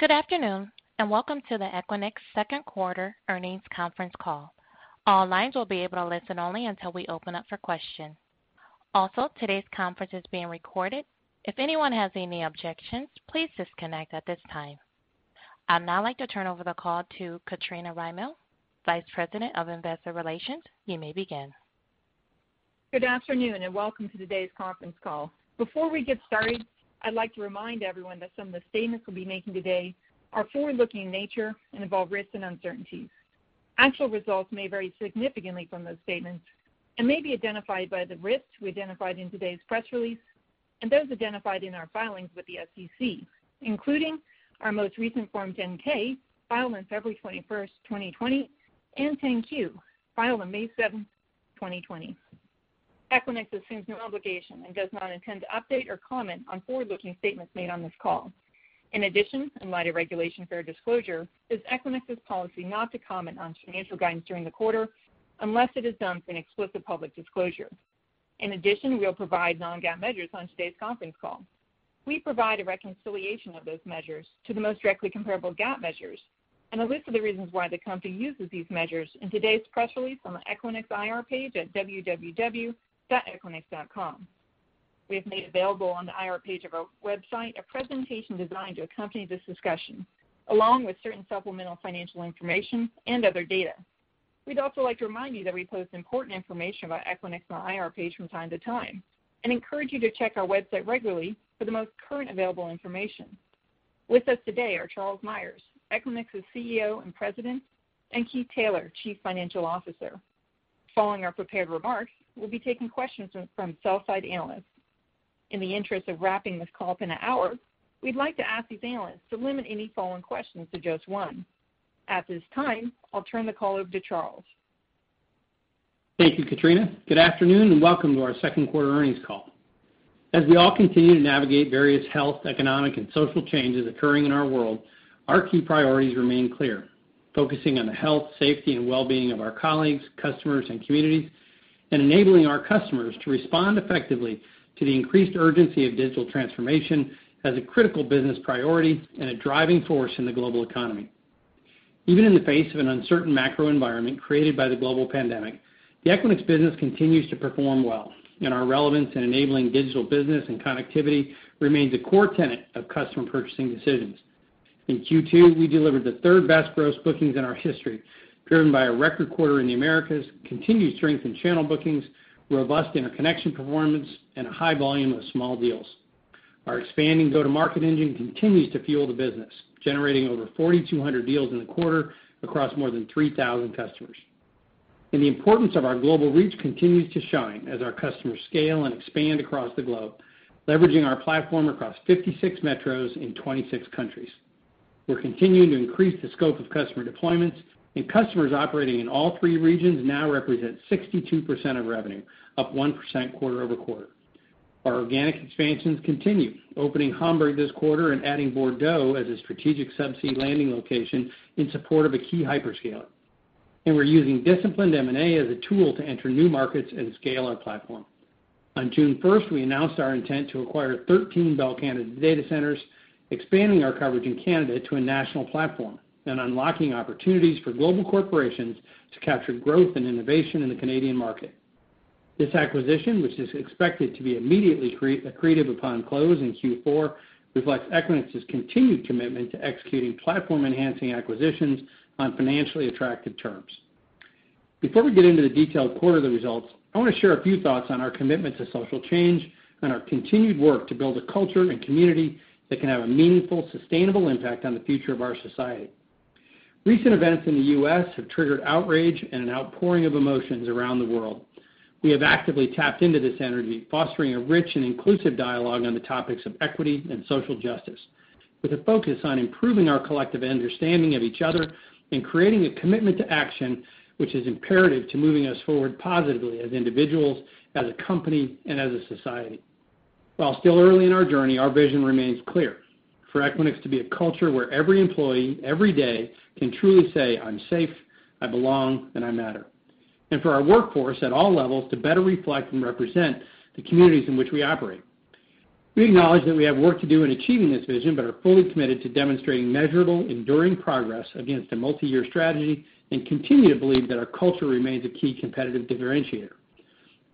Good afternoon, and welcome to the Equinix Second Quarter Earnings Conference Call. All lines will be able to listen only until we open up for questions. Today's conference is being recorded. If anyone has any objections, please disconnect at this time. I'd now like to turn over the call to Katrina Rymill, Vice President of Investor Relations. You may begin. Good afternoon, welcome to today's conference call. Before we get started, I'd like to remind everyone that some of the statements we'll be making today are forward-looking in nature and involve risks and uncertainties. Actual results may vary significantly from those statements and may be identified by the risks we identified in today's press release and those identified in our filings with the SEC, including our most recent Form 10-K, filed on February 21st, 2020, and 10-Q, filed on May 7th, 2020. Equinix assumes no obligation and does not intend to update or comment on forward-looking statements made on this call. In light of Regulation Fair Disclosure, it is Equinix's policy not to comment on financial guidance during the quarter unless it is done through an explicit public disclosure. We will provide non-GAAP measures on today's conference call. We provide a reconciliation of those measures to the most directly comparable GAAP measures and a list of the reasons why the company uses these measures in today's press release on the Equinix IR page at www.equinix.com. We have made available on the IR page of our website a presentation designed to accompany this discussion, along with certain supplemental financial information and other data. We'd also like to remind you that we post important information about Equinix on our IR page from time to time and encourage you to check our website regularly for the most current available information. With us today are Charles Meyers, Equinix's CEO and President, and Keith Taylor, Chief Financial Officer. Following our prepared remarks, we'll be taking questions from sell-side analysts. In the interest of wrapping this call up in an hour, we'd like to ask these analysts to limit any following questions to just one. At this time, I'll turn the call over to Charles. Thank you, Katrina. Good afternoon, welcome to our second quarter earnings call. As we all continue to navigate various health, economic, and social changes occurring in our world, our key priorities remain clear. Focusing on the health, safety, and well-being of our colleagues, customers, and communities, enabling our customers to respond effectively to the increased urgency of digital transformation as a critical business priority and a driving force in the global economy. Even in the face of an uncertain macro environment created by the global pandemic, the Equinix business continues to perform well, our relevance in enabling digital business and connectivity remains a core tenet of customer purchasing decisions. In Q2, we delivered the third-best gross bookings in our history, driven by a record quarter in the Americas, continued strength in channel bookings, robust interconnection performance, a high volume of small deals. Our expanding go-to-market engine continues to fuel the business, generating over 4,200 deals in the quarter across more than 3,000 customers. The importance of our global reach continues to shine as our customers scale and expand across the globe, leveraging our platform across 56 metros in 26 countries. We're continuing to increase the scope of customer deployments, and customers operating in all three regions now represent 62% of revenue, up 1% quarter-over-quarter. Our organic expansions continue, opening Hamburg this quarter and adding Bordeaux as a strategic subsea landing location in support of a key hyperscaler. We're using disciplined M&A as a tool to enter new markets and scale our platform. On June 1st, we announced our intent to acquire 13 Bell Canada data centers, expanding our coverage in Canada to a national platform and unlocking opportunities for global corporations to capture growth and innovation in the Canadian market. This acquisition, which is expected to be immediately accretive upon close in Q4, reflects Equinix's continued commitment to executing platform-enhancing acquisitions on financially attractive terms. Before we get into the detailed quarterly results, I want to share a few thoughts on our commitment to social change and our continued work to build a culture and community that can have a meaningful, sustainable impact on the future of our society. Recent events in the U.S. have triggered outrage and an outpouring of emotions around the world. We have actively tapped into this energy, fostering a rich and inclusive dialogue on the topics of equity and social justice with a focus on improving our collective understanding of each other and creating a commitment to action, which is imperative to moving us forward positively as individuals, as a company, and as a society. While still early in our journey, our vision remains clear: for Equinix to be a culture where every employee, every day, can truly say, "I'm safe, I belong, and I matter." For our workforce at all levels to better reflect and represent the communities in which we operate. We acknowledge that we have work to do in achieving this vision, but are fully committed to demonstrating measurable, enduring progress against a multi-year strategy and continue to believe that our culture remains a key competitive differentiator.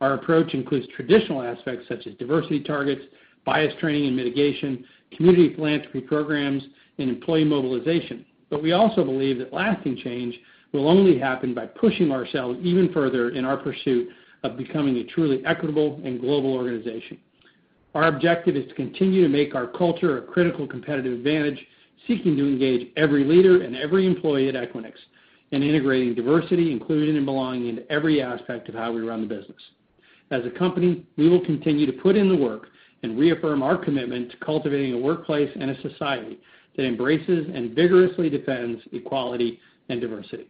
Our approach includes traditional aspects such as diversity targets, bias training and mitigation, community philanthropy programs, and employee mobilization. We also believe that lasting change will only happen by pushing ourselves even further in our pursuit of becoming a truly equitable and global organization. Our objective is to continue to make our culture a critical competitive advantage, seeking to engage every leader and every employee at Equinix in integrating diversity, inclusion, and belonging into every aspect of how we run the business. As a company, we will continue to put in the work and reaffirm our commitment to cultivating a workplace and a society that embraces and vigorously defends equality and diversity.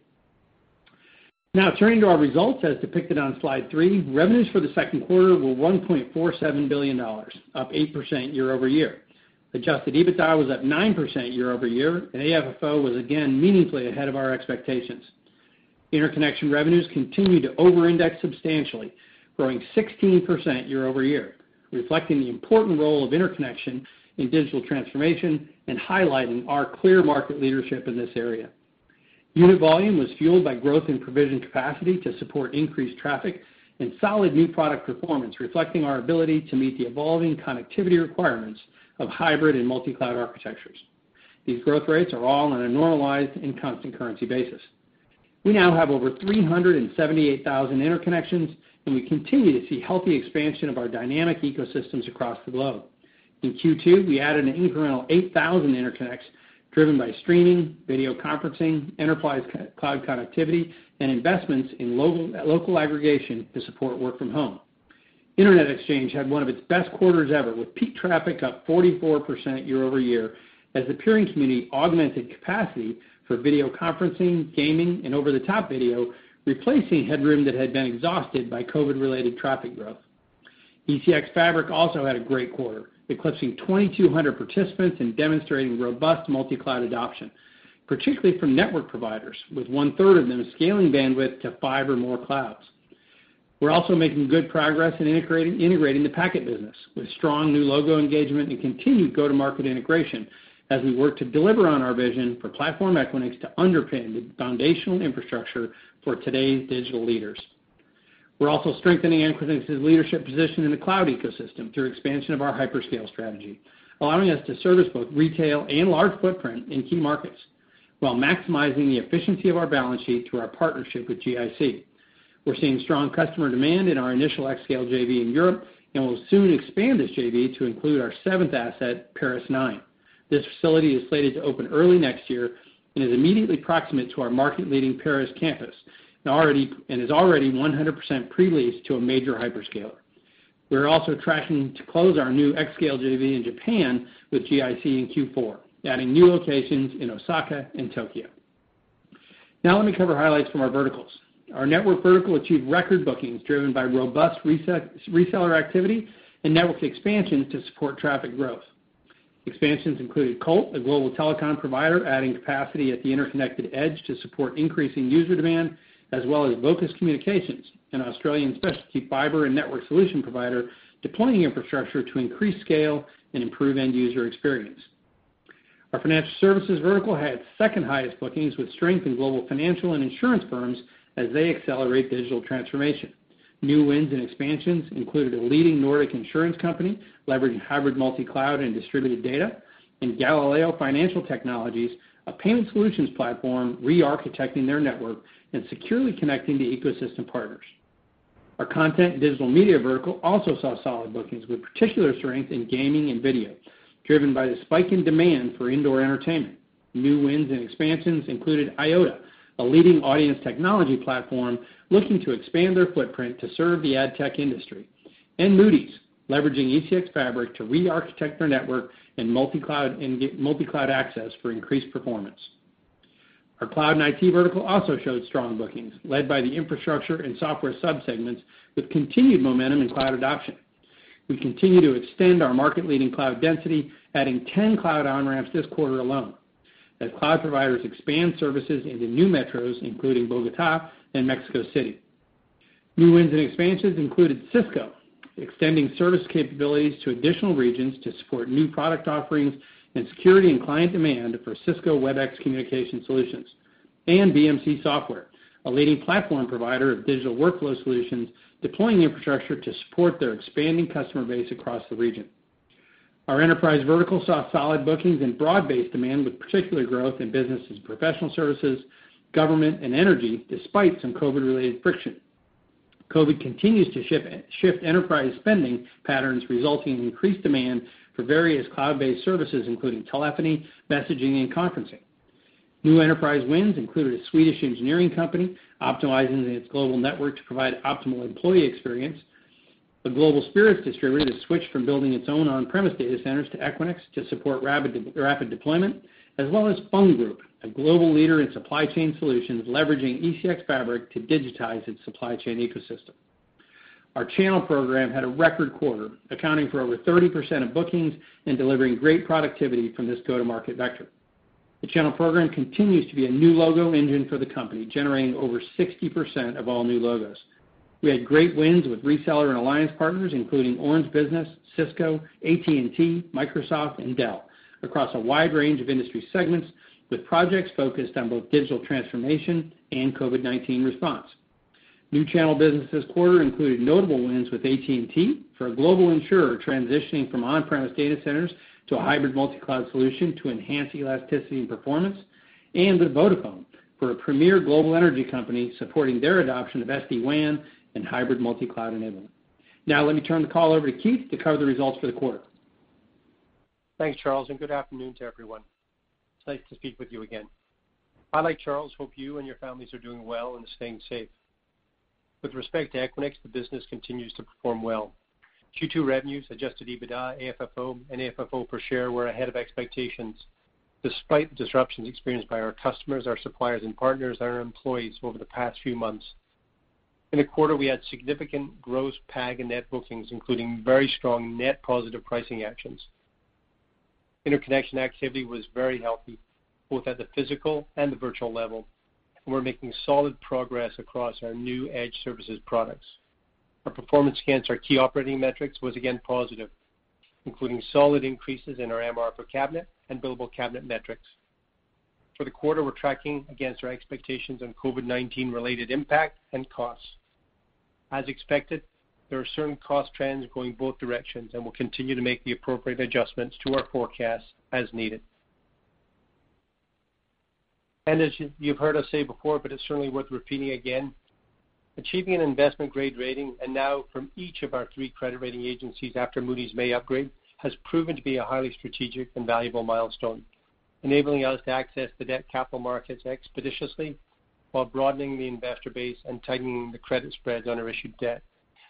Now turning to our results as depicted on slide three, revenues for the second quarter were $1.47 billion, up 8% year-over-year. Adjusted EBITDA was up 9% year-over-year. AFFO was again meaningfully ahead of our expectations. Interconnection revenues continue to over-index substantially, growing 16% year-over-year, reflecting the important role of interconnection in digital transformation and highlighting our clear market leadership in this area. Unit volume was fueled by growth in provision capacity to support increased traffic and solid new product performance, reflecting our ability to meet the evolving connectivity requirements of hybrid and multi-cloud architectures. These growth rates are all on a normalized and constant currency basis. We now have over 378,000 interconnections. We continue to see healthy expansion of our dynamic ecosystems across the globe. In Q2, we added an incremental 8,000 interconnects driven by streaming, video conferencing, enterprise cloud connectivity, and investments in local aggregation to support work from home. Internet Exchange had one of its best quarters ever, with peak traffic up 44% year-over-year as the peering community augmented capacity for video conferencing, gaming, and over-the-top video, replacing headroom that had been exhausted by COVID-related traffic growth. ECX Fabric also had a great quarter, eclipsing 2,200 participants and demonstrating robust multi-cloud adoption, particularly from network providers, with one-third of them scaling bandwidth to five or more clouds. We're also making good progress in integrating the Packet business, with strong new logo engagement and continued go-to-market integration as we work to deliver on our vision for Platform Equinix to underpin the foundational infrastructure for today's digital leaders. We're also strengthening Equinix's leadership position in the cloud ecosystem through expansion of our hyperscale strategy, allowing us to service both retail and large footprint in key markets while maximizing the efficiency of our balance sheet through our partnership with GIC. We're seeing strong customer demand in our initial xScale JV in Europe. We'll soon expand this JV to include our seventh asset, Paris 9. This facility is slated to open early next year and is immediately proximate to our market-leading Paris campus, is already 100% pre-leased to a major hyperscaler. We're also tracking to close our new xScale JV in Japan with GIC in Q4, adding new locations in Osaka and Tokyo. Let me cover highlights from our verticals. Our network vertical achieved record bookings driven by robust reseller activity and network expansion to support traffic growth. Expansions included Colt, a global telecom provider, adding capacity at the interconnected edge to support increasing user demand, as well as Vocus Communications, an Australian specialty fiber and network solution provider, deploying infrastructure to increase scale and improve end-user experience. Our financial services vertical had second highest bookings, with strength in global financial and insurance firms as they accelerate digital transformation. New wins and expansions included a leading Nordic insurance company leveraging hybrid multi-cloud and distributed data, and Galileo Financial Technologies, a payment solutions platform, re-architecting their network and securely connecting to ecosystem partners. Our content and digital media vertical also saw solid bookings, with particular strength in gaming and video, driven by the spike in demand for indoor entertainment. New wins and expansions included IPONWEB, a leading audience technology platform looking to expand their footprint to serve the ad tech industry, and Moody's, leveraging ECX Fabric to re-architect their network and multi-cloud access for increased performance. Our cloud and IT vertical also showed strong bookings, led by the infrastructure and software sub-segments, with continued momentum in cloud adoption. We continue to extend our market-leading cloud density, adding 10 cloud on-ramps this quarter alone as cloud providers expand services into new metros, including Bogota and Mexico City. New wins and expansions included Cisco extending service capabilities to additional regions to support new product offerings and security and client demand for Cisco Webex communication solutions, and BMC Software, a leading platform provider of digital workflow solutions, deploying infrastructure to support their expanding customer base across the region. Our enterprise vertical saw solid bookings and broad-based demand, with particular growth in businesses, professional services, government, and energy, despite some COVID-related friction. COVID continues to shift enterprise spending patterns, resulting in increased demand for various cloud-based services, including telephony, messaging, and conferencing. New enterprise wins included a Swedish engineering company optimizing its global network to provide optimal employee experience, a global spirits distributor that switched from building its own on-premise data centers to Equinix to support rapid deployment, as well as Fung Group, a global leader in supply chain solutions, leveraging ECX Fabric to digitize its supply chain ecosystem. Our channel program had a record quarter, accounting for over 30% of bookings and delivering great productivity from this go-to-market vector. The channel program continues to be a new logo engine for the company, generating over 60% of all new logos. We had great wins with reseller and alliance partners, including Orange Business, Cisco, AT&T, Microsoft, and Dell, across a wide range of industry segments, with projects focused on both digital transformation and COVID-19 response. New channel business this quarter included notable wins with AT&T for a global insurer transitioning from on-premise data centers to a hybrid multi-cloud solution to enhance elasticity and performance, and with Vodafone for a premier global energy company supporting their adoption of SD-WAN and hybrid multi-cloud enablement. Now let me turn the call over to Keith to cover the results for the quarter. Thanks, Charles, and good afternoon to everyone. It's nice to speak with you again. I, like Charles, hope you and your families are doing well and staying safe. With respect to Equinix, the business continues to perform well. Q2 revenues, adjusted EBITDA, AFFO, and AFFO per share were ahead of expectations despite the disruptions experienced by our customers, our suppliers and partners, and our employees over the past few months. In the quarter, we had significant gross PAG and net bookings, including very strong net positive pricing actions. Interconnection activity was very healthy, both at the physical and the virtual level. We're making solid progress across our new Edge services products. Our performance against our key operating metrics was again positive, including solid increases in our MRR per cabinet and billable cabinet metrics. For the quarter, we're tracking against our expectations on COVID-19 related impact and costs. As expected, there are certain cost trends going both directions, and we'll continue to make the appropriate adjustments to our forecast as needed. As you've heard us say before, but it's certainly worth repeating again, achieving an investment-grade rating, and now from each of our three credit rating agencies after Moody's May upgrade, has proven to be a highly strategic and valuable milestone, enabling us to access the debt capital markets expeditiously while broadening the investor base and tightening the credit spreads on our issued debt.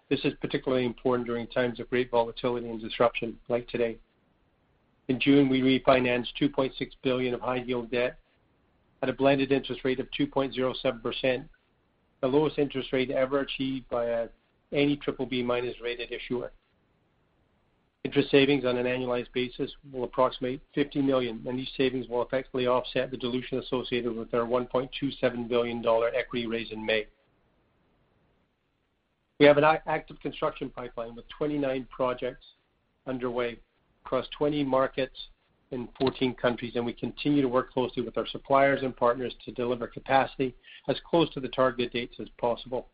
This is particularly important during times of great volatility and disruption, like today. In June, we refinanced $2.6 billion of high-yield debt at a blended interest rate of 2.07%, the lowest interest rate ever achieved by any triple B minus rated issuer. Interest savings on an annualized basis will approximate $50 million, and these savings will effectively offset the dilution associated with our $1.27 billion equity raise in May. We have an active construction pipeline with 29 projects underway across 20 markets in 14 countries, and we continue to work closely with our suppliers and partners to deliver capacity as close to the target dates as possible.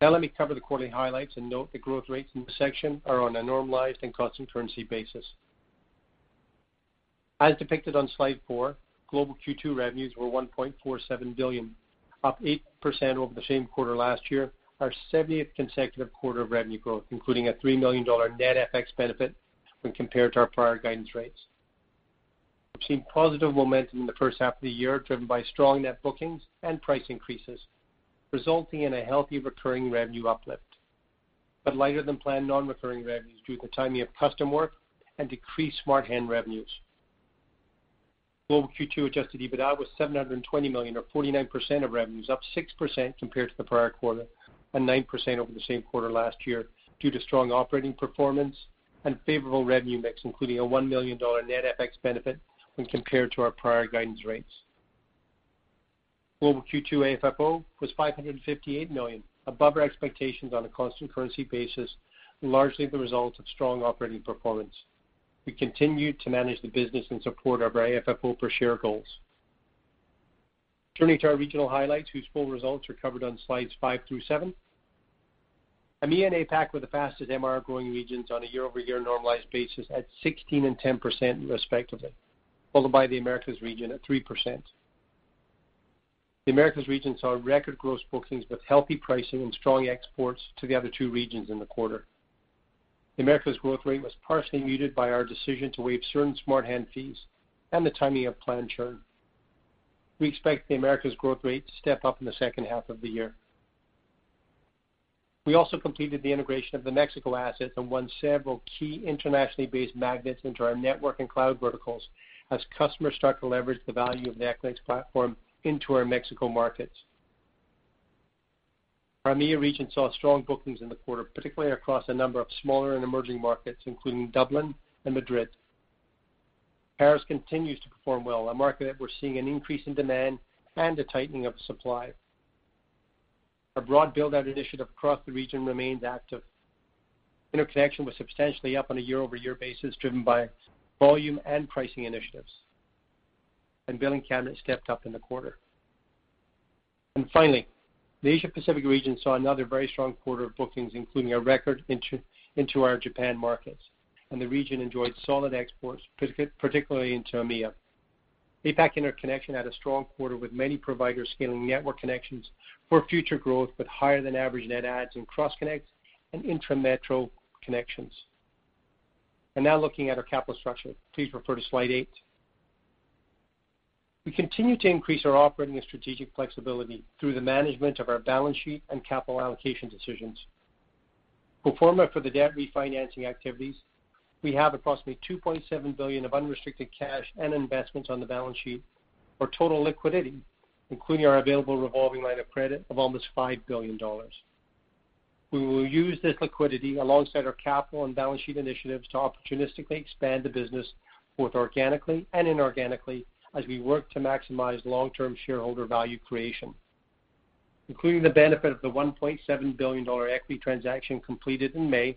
Now let me cover the quarterly highlights, and note the growth rates in this section are on a normalized and constant currency basis. As depicted on slide four, global Q2 revenues were $1.47 billion, up 8% over the same quarter last year. Our 70th consecutive quarter of revenue growth, including a $3 million net FX benefit when compared to our prior guidance rates. We've seen positive momentum in the first half of the year, driven by strong net bookings and price increases, resulting in a healthy recurring revenue uplift, but lighter than planned non-recurring revenues due to the timing of custom work and decreased Smart Hands revenues. Global Q2 adjusted EBITDA was $720 million, or 49% of revenues, up 6% compared to the prior quarter and 9% over the same quarter last year due to strong operating performance and favorable revenue mix, including a $1 million net FX benefit when compared to our prior guidance rates. Global Q2 AFFO was $558 million, above our expectations on a constant currency basis, largely the result of strong operating performance. We continued to manage the business in support of our AFFO per share goals. Turning to our regional highlights, whose full results are covered on slides five through seven. EMEA and APAC were the fastest MRR growing regions on a year-over-year normalized basis at 16% and 10% respectively, followed by the Americas region at 3%. The Americas region saw record gross bookings with healthy pricing and strong exports to the other two regions in the quarter. The Americas growth rate was partially muted by our decision to waive certain Smart Hands fees and the timing of planned churn. We expect the Americas growth rate to step up in the second half of the year. We also completed the integration of the Mexico assets and won several key internationally based magnets into our network and cloud verticals as customers start to leverage the value of Platform Equinix into our Mexico markets. Our EMEA region saw strong bookings in the quarter, particularly across a number of smaller and emerging markets, including Dublin and Madrid. Paris continues to perform well, a market that we're seeing an increase in demand and a tightening of supply. Our broad build-out initiative across the region remains active. Interconnection was substantially up on a year-over-year basis, driven by volume and pricing initiatives. Billing cabinets stepped up in the quarter. Finally, the Asia Pacific region saw another very strong quarter of bookings, including a record into our Japan markets. The region enjoyed solid exports, particularly into EMEA. APAC Interconnection had a strong quarter with many providers scaling network connections for future growth with higher than average net adds in cross-connect and intra-metro connections. Now looking at our capital structure. Please refer to slide eight. We continue to increase our operating and strategic flexibility through the management of our balance sheet and capital allocation decisions. Pro forma for the debt refinancing activities, we have approximately $2.7 billion of unrestricted cash and investments on the balance sheet for total liquidity, including our available revolving line of credit of almost $5 billion. We will use this liquidity alongside our capital and balance sheet initiatives to opportunistically expand the business both organically and inorganically as we work to maximize long-term shareholder value creation. Including the benefit of the $1.7 billion equity transaction completed in May,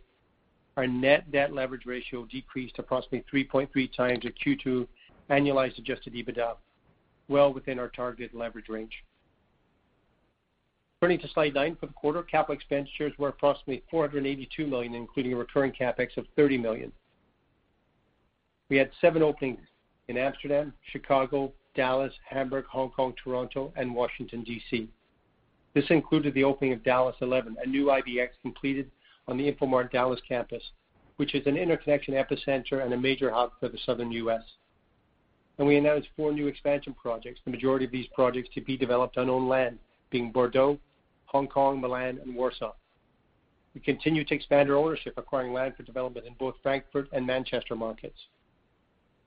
our net debt leverage ratio decreased approximately 3.3x at Q2 annualized adjusted EBITDA, well within our target leverage range. Turning to slide nine for the quarter, capital expenditures were approximately $482 million, including a recurring CapEx of $30 million. We had seven openings in Amsterdam, Chicago, Dallas, Hamburg, Hong Kong, Toronto and Washington, D.C. This included the opening of Dallas 11, a new IBX completed on the Infomart Dallas campus, which is an interconnection epicenter and a major hub for the Southern U.S. We announced four new expansion projects, the majority of these projects to be developed on owned land, being Bordeaux, Hong Kong, Milan and Warsaw. We continue to expand our ownership, acquiring land for development in both Frankfurt and Manchester markets.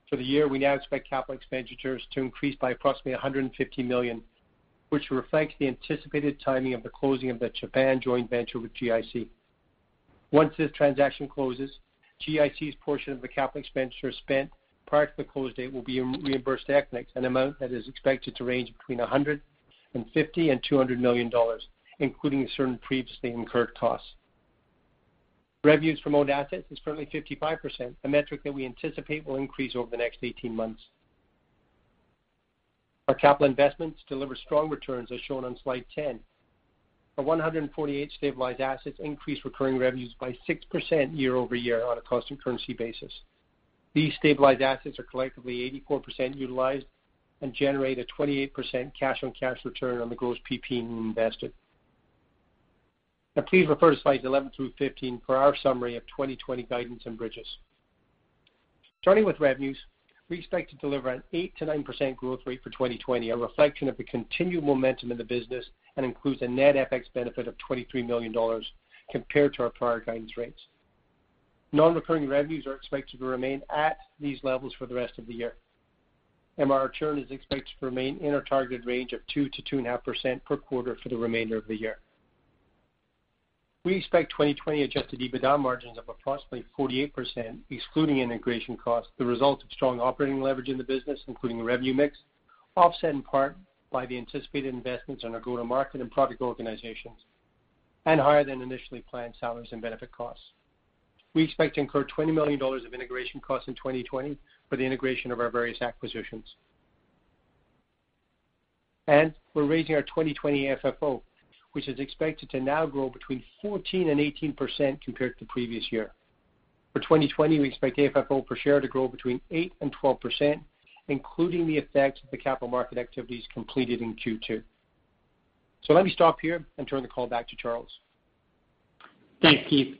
For the year, we now expect capital expenditures to increase by approximately $150 million, which reflects the anticipated timing of the closing of the Japan joint venture with GIC. Once this transaction closes, GIC's portion of the capital expenditures spent prior to the close date will be reimbursed to Equinix, an amount that is expected to range between $150 million and $200 million, including certain previously incurred costs. Revenues from owned assets is currently 55%, a metric that we anticipate will increase over the next 18 months. Our capital investments deliver strong returns, as shown on slide 10. Our 148 stabilized assets increase recurring revenues by 6% year-over-year on a constant currency basis. These stabilized assets are collectively 84% utilized and generate a 28% cash on cash return on the gross PP&E invested. Please refer to slides 11 through 15 for our summary of 2020 guidance and bridges. Starting with revenues, we expect to deliver an 8%-9% growth rate for 2020, a reflection of the continued momentum in the business and includes a net FX benefit of $23 million compared to our prior guidance rates. Non-recurring revenues are expected to remain at these levels for the rest of the year. MRR churn is expected to remain in our targeted range of 2%-2.5% per quarter for the remainder of the year. We expect 2020 adjusted EBITDA margins of approximately 48%, excluding integration costs, the result of strong operating leverage in the business, including the revenue mix, offset in part by the anticipated investments in our go-to-market and product organizations, and higher than initially planned salaries and benefit costs. We expect to incur $20 million of integration costs in 2020 for the integration of our various acquisitions. We're raising our 2020 AFFO, which is expected to now grow between 14% and 18% compared to previous year. For 2020, we expect AFFO per share to grow between 8% and 12%, including the effect of the capital market activities completed in Q2. Let me stop here and turn the call back to Charles. Thanks, Keith.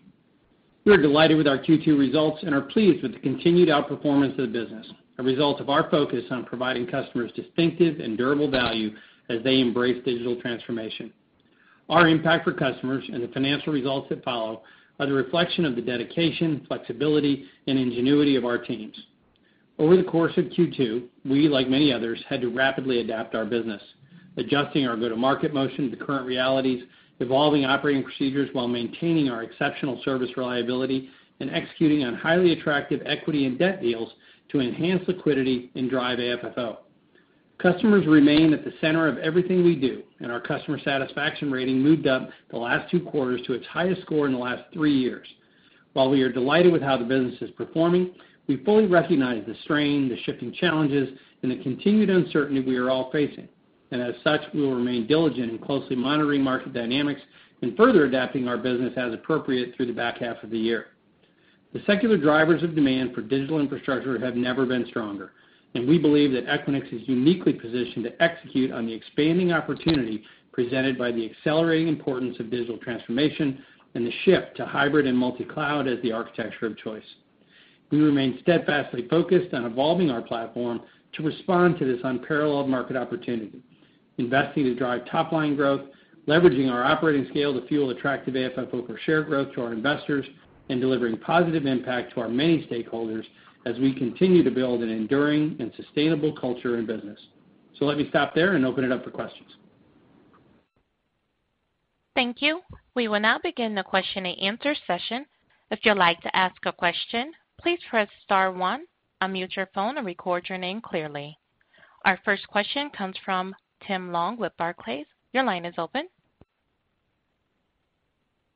We are delighted with our Q2 results and are pleased with the continued outperformance of the business, a result of our focus on providing customers distinctive and durable value as they embrace digital transformation. Our impact for customers and the financial results that follow are the reflection of the dedication, flexibility, and ingenuity of our teams. Over the course of Q2, we, like many others, had to rapidly adapt our business, adjusting our go-to-market motion to current realities, evolving operating procedures while maintaining our exceptional service reliability, and executing on highly attractive equity and debt deals to enhance liquidity and drive AFFO. Customers remain at the center of everything we do, and our customer satisfaction rating moved up the last two quarters to its highest score in the last three years. While we are delighted with how the business is performing, we fully recognize the strain, the shifting challenges, and the continued uncertainty we are all facing. As such, we will remain diligent in closely monitoring market dynamics and further adapting our business as appropriate through the back half of the year. The secular drivers of demand for digital infrastructure have never been stronger. We believe that Equinix is uniquely positioned to execute on the expanding opportunity presented by the accelerating importance of digital transformation and the shift to hybrid and multi-cloud as the architecture of choice. We remain steadfastly focused on evolving our platform to respond to this unparalleled market opportunity, investing to drive top-line growth, leveraging our operating scale to fuel attractive AFFO per share growth to our investors, and delivering positive impact to our many stakeholders as we continue to build an enduring and sustainable culture and business. Let me stop there and open it up for questions. Thank you. We will now begin the question and answer session. If you'd like to ask a question, please press star 1, unmute your phone, and record your name clearly. Our first question comes from Tim Long with Barclays. Your line is open.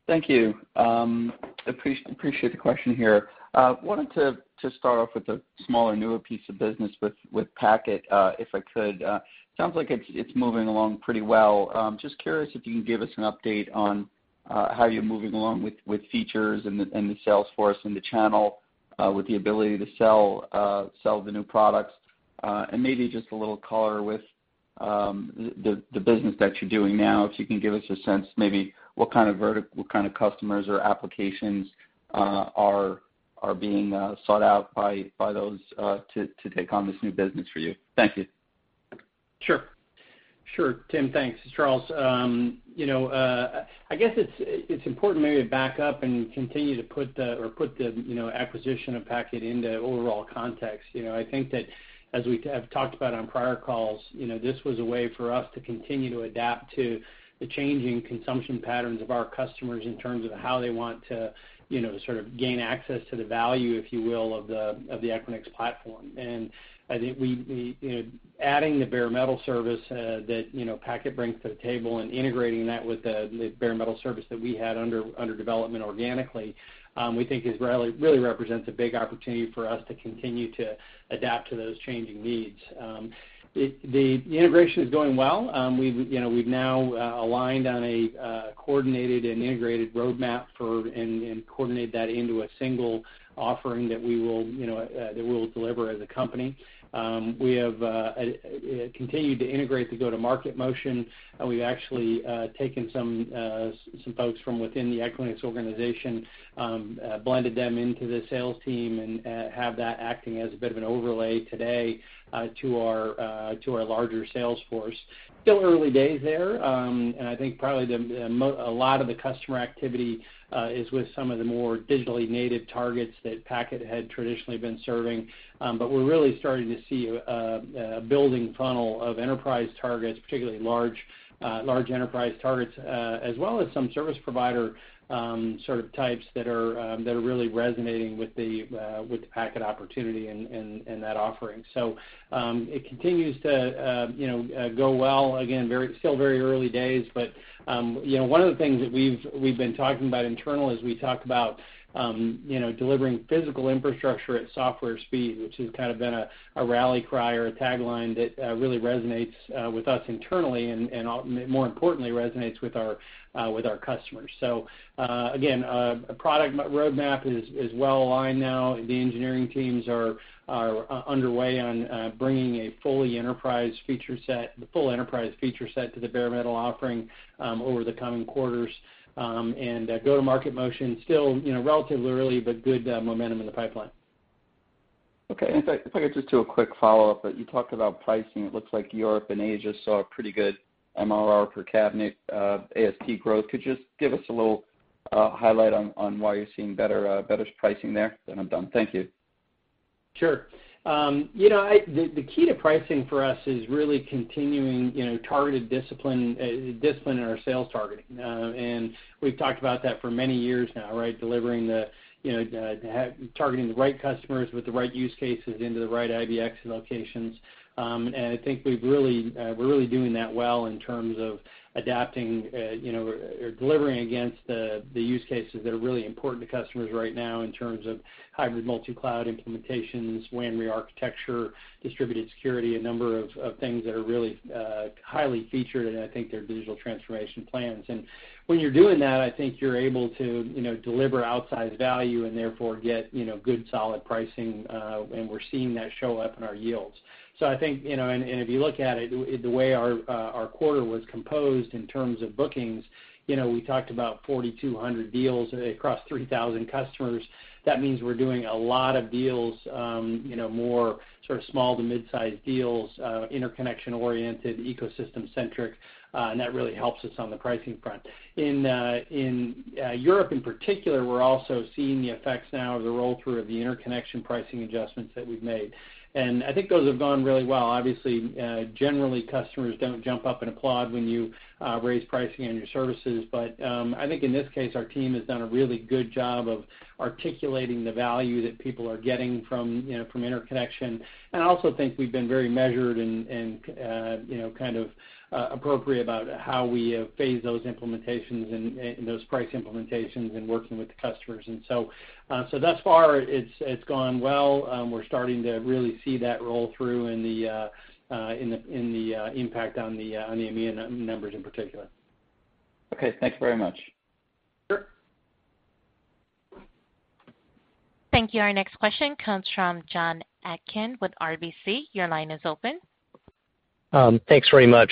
Thank you. Appreciate the question here. Wanted to start off with the smaller, newer piece of business with Packet, if I could. Sounds like it's moving along pretty well. Just curious if you can give us an update on how you're moving along with features and the sales force and the channel with the ability to sell the new products. Maybe just a little color with the business that you're doing now, if you can give us a sense maybe what kind of vertical, what kind of customers or applications are being sought out by those to take on this new business for you. Thank you. Sure. Tim, thanks. It's Charles. I guess it's important maybe to back up and continue to put the acquisition of Packet into overall context. I think that as we have talked about on prior calls, this was a way for us to continue to adapt to the changing consumption patterns of our customers in terms of how they want to sort of gain access to the value, if you will, of the Equinix platform. I think adding the bare metal service that Packet brings to the table and integrating that with the bare metal service that we had under development organically, we think really represents a big opportunity for us to continue to adapt to those changing needs. The integration is going well. We've now aligned on a coordinated and integrated roadmap and coordinate that into a single offering that we will deliver as a company. We have continued to integrate the go-to-market motion, and we've actually taken some folks from within the Equinix organization, blended them into the sales team, and have that acting as a bit of an overlay today to our larger sales force. Still early days there, and I think probably a lot of the customer activity is with some of the more digitally native targets that Packet had traditionally been serving. We're really starting to see a building funnel of enterprise targets, particularly large enterprise targets, as well as some service provider sort of types that are really resonating with the Packet opportunity and that offering. It continues to go well. Again, still very early days, but one of the things that we've been talking about internal is we talk about delivering physical infrastructure at software speed, which has kind of been a rally cry or a tagline that really resonates with us internally and, more importantly, resonates with our customers. A product roadmap is well aligned now. The engineering teams are underway on bringing a full enterprise feature set to the bare metal offering over the coming quarters. Go-to-market motion, still relatively early, but good momentum in the pipeline. Okay. If I could just do a quick follow-up. You talked about pricing. It looks like Europe and Asia saw a pretty good MRR per cabinet, ASP growth. Could you just give us a little highlight on why you're seeing better pricing there? I'm done. Thank you. Sure. The key to pricing for us is really continuing targeted discipline in our sales targeting. We've talked about that for many years now, right? Targeting the right customers with the right use cases into the right IBX locations. I think we're really doing that well in terms of adapting or delivering against the use cases that are really important to customers right now in terms of hybrid multi-cloud implementations, WAN re-architecture, distributed security, a number of things that are really highly featured in, I think, their digital transformation plans. When you're doing that, I think you're able to deliver outsized value and therefore get good solid pricing, and we're seeing that show up in our yields. I think, if you look at it, the way our quarter was composed in terms of bookings, we talked about 4,200 deals across 3,000 customers. That means we're doing a lot of deals, more sort of small to mid-size deals, interconnection-oriented, ecosystem-centric, and that really helps us on the pricing front. In Europe in particular, we're also seeing the effects now of the roll-through of the interconnection pricing adjustments that we've made. I think those have gone really well. Obviously, generally, customers don't jump up and applaud when you raise pricing on your services. I think in this case, our team has done a really good job of articulating the value that people are getting from interconnection, and I also think we've been very measured and kind of appropriate about how we phase those implementations and those price implementations and working with the customers. Thus far, it's gone well. We're starting to really see that roll through in the impact on the EMEA numbers in particular. Okay. Thanks very much. Sure. Thank you. Our next question comes from Jon Atkin with RBC. Your line is open. Thanks very much.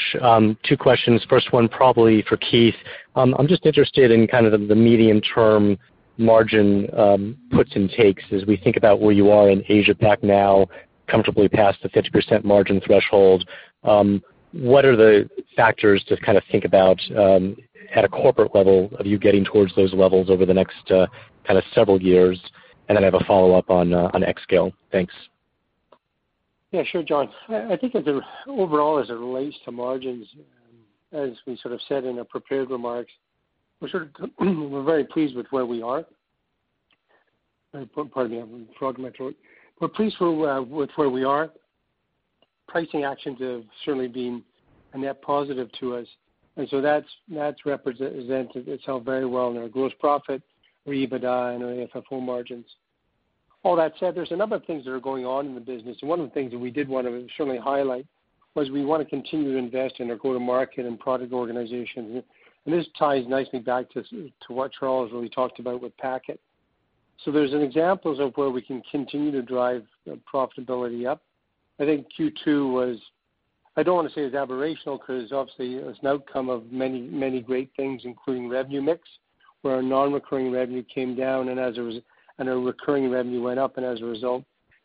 Two questions. First one, probably for Keith. I'm just interested in kind of the medium-term margin puts and takes as we think about where you are in Asia PAC now, comfortably past the 50% margin threshold. What are the factors to kind of think about, at a corporate level, of you getting towards those levels over the next kind of several years? I have a follow-up on xScale. Thanks. Yeah, sure, Jon. I think that the overall, as it relates to margins, as we sort of said in our prepared remarks, we're very pleased with where we are. Pardon me, a frog in my throat. We're pleased with where we are. Pricing actions have certainly been a net positive to us, that's represented itself very well in our gross profit, our EBITDA, and our AFFO margins. All that said, there's a number of things that are going on in the business, one of the things that we did want to certainly highlight was we want to continue to invest in our go-to-market and product organizations. This ties nicely back to what Charles really talked about with Packet. There's examples of where we can continue to drive profitability up. I think Q2 was, I don't want to say it was aberrational, because obviously it was an outcome of many great things, including revenue mix, where our non-recurring revenue came down, and our recurring revenue went up. As a result,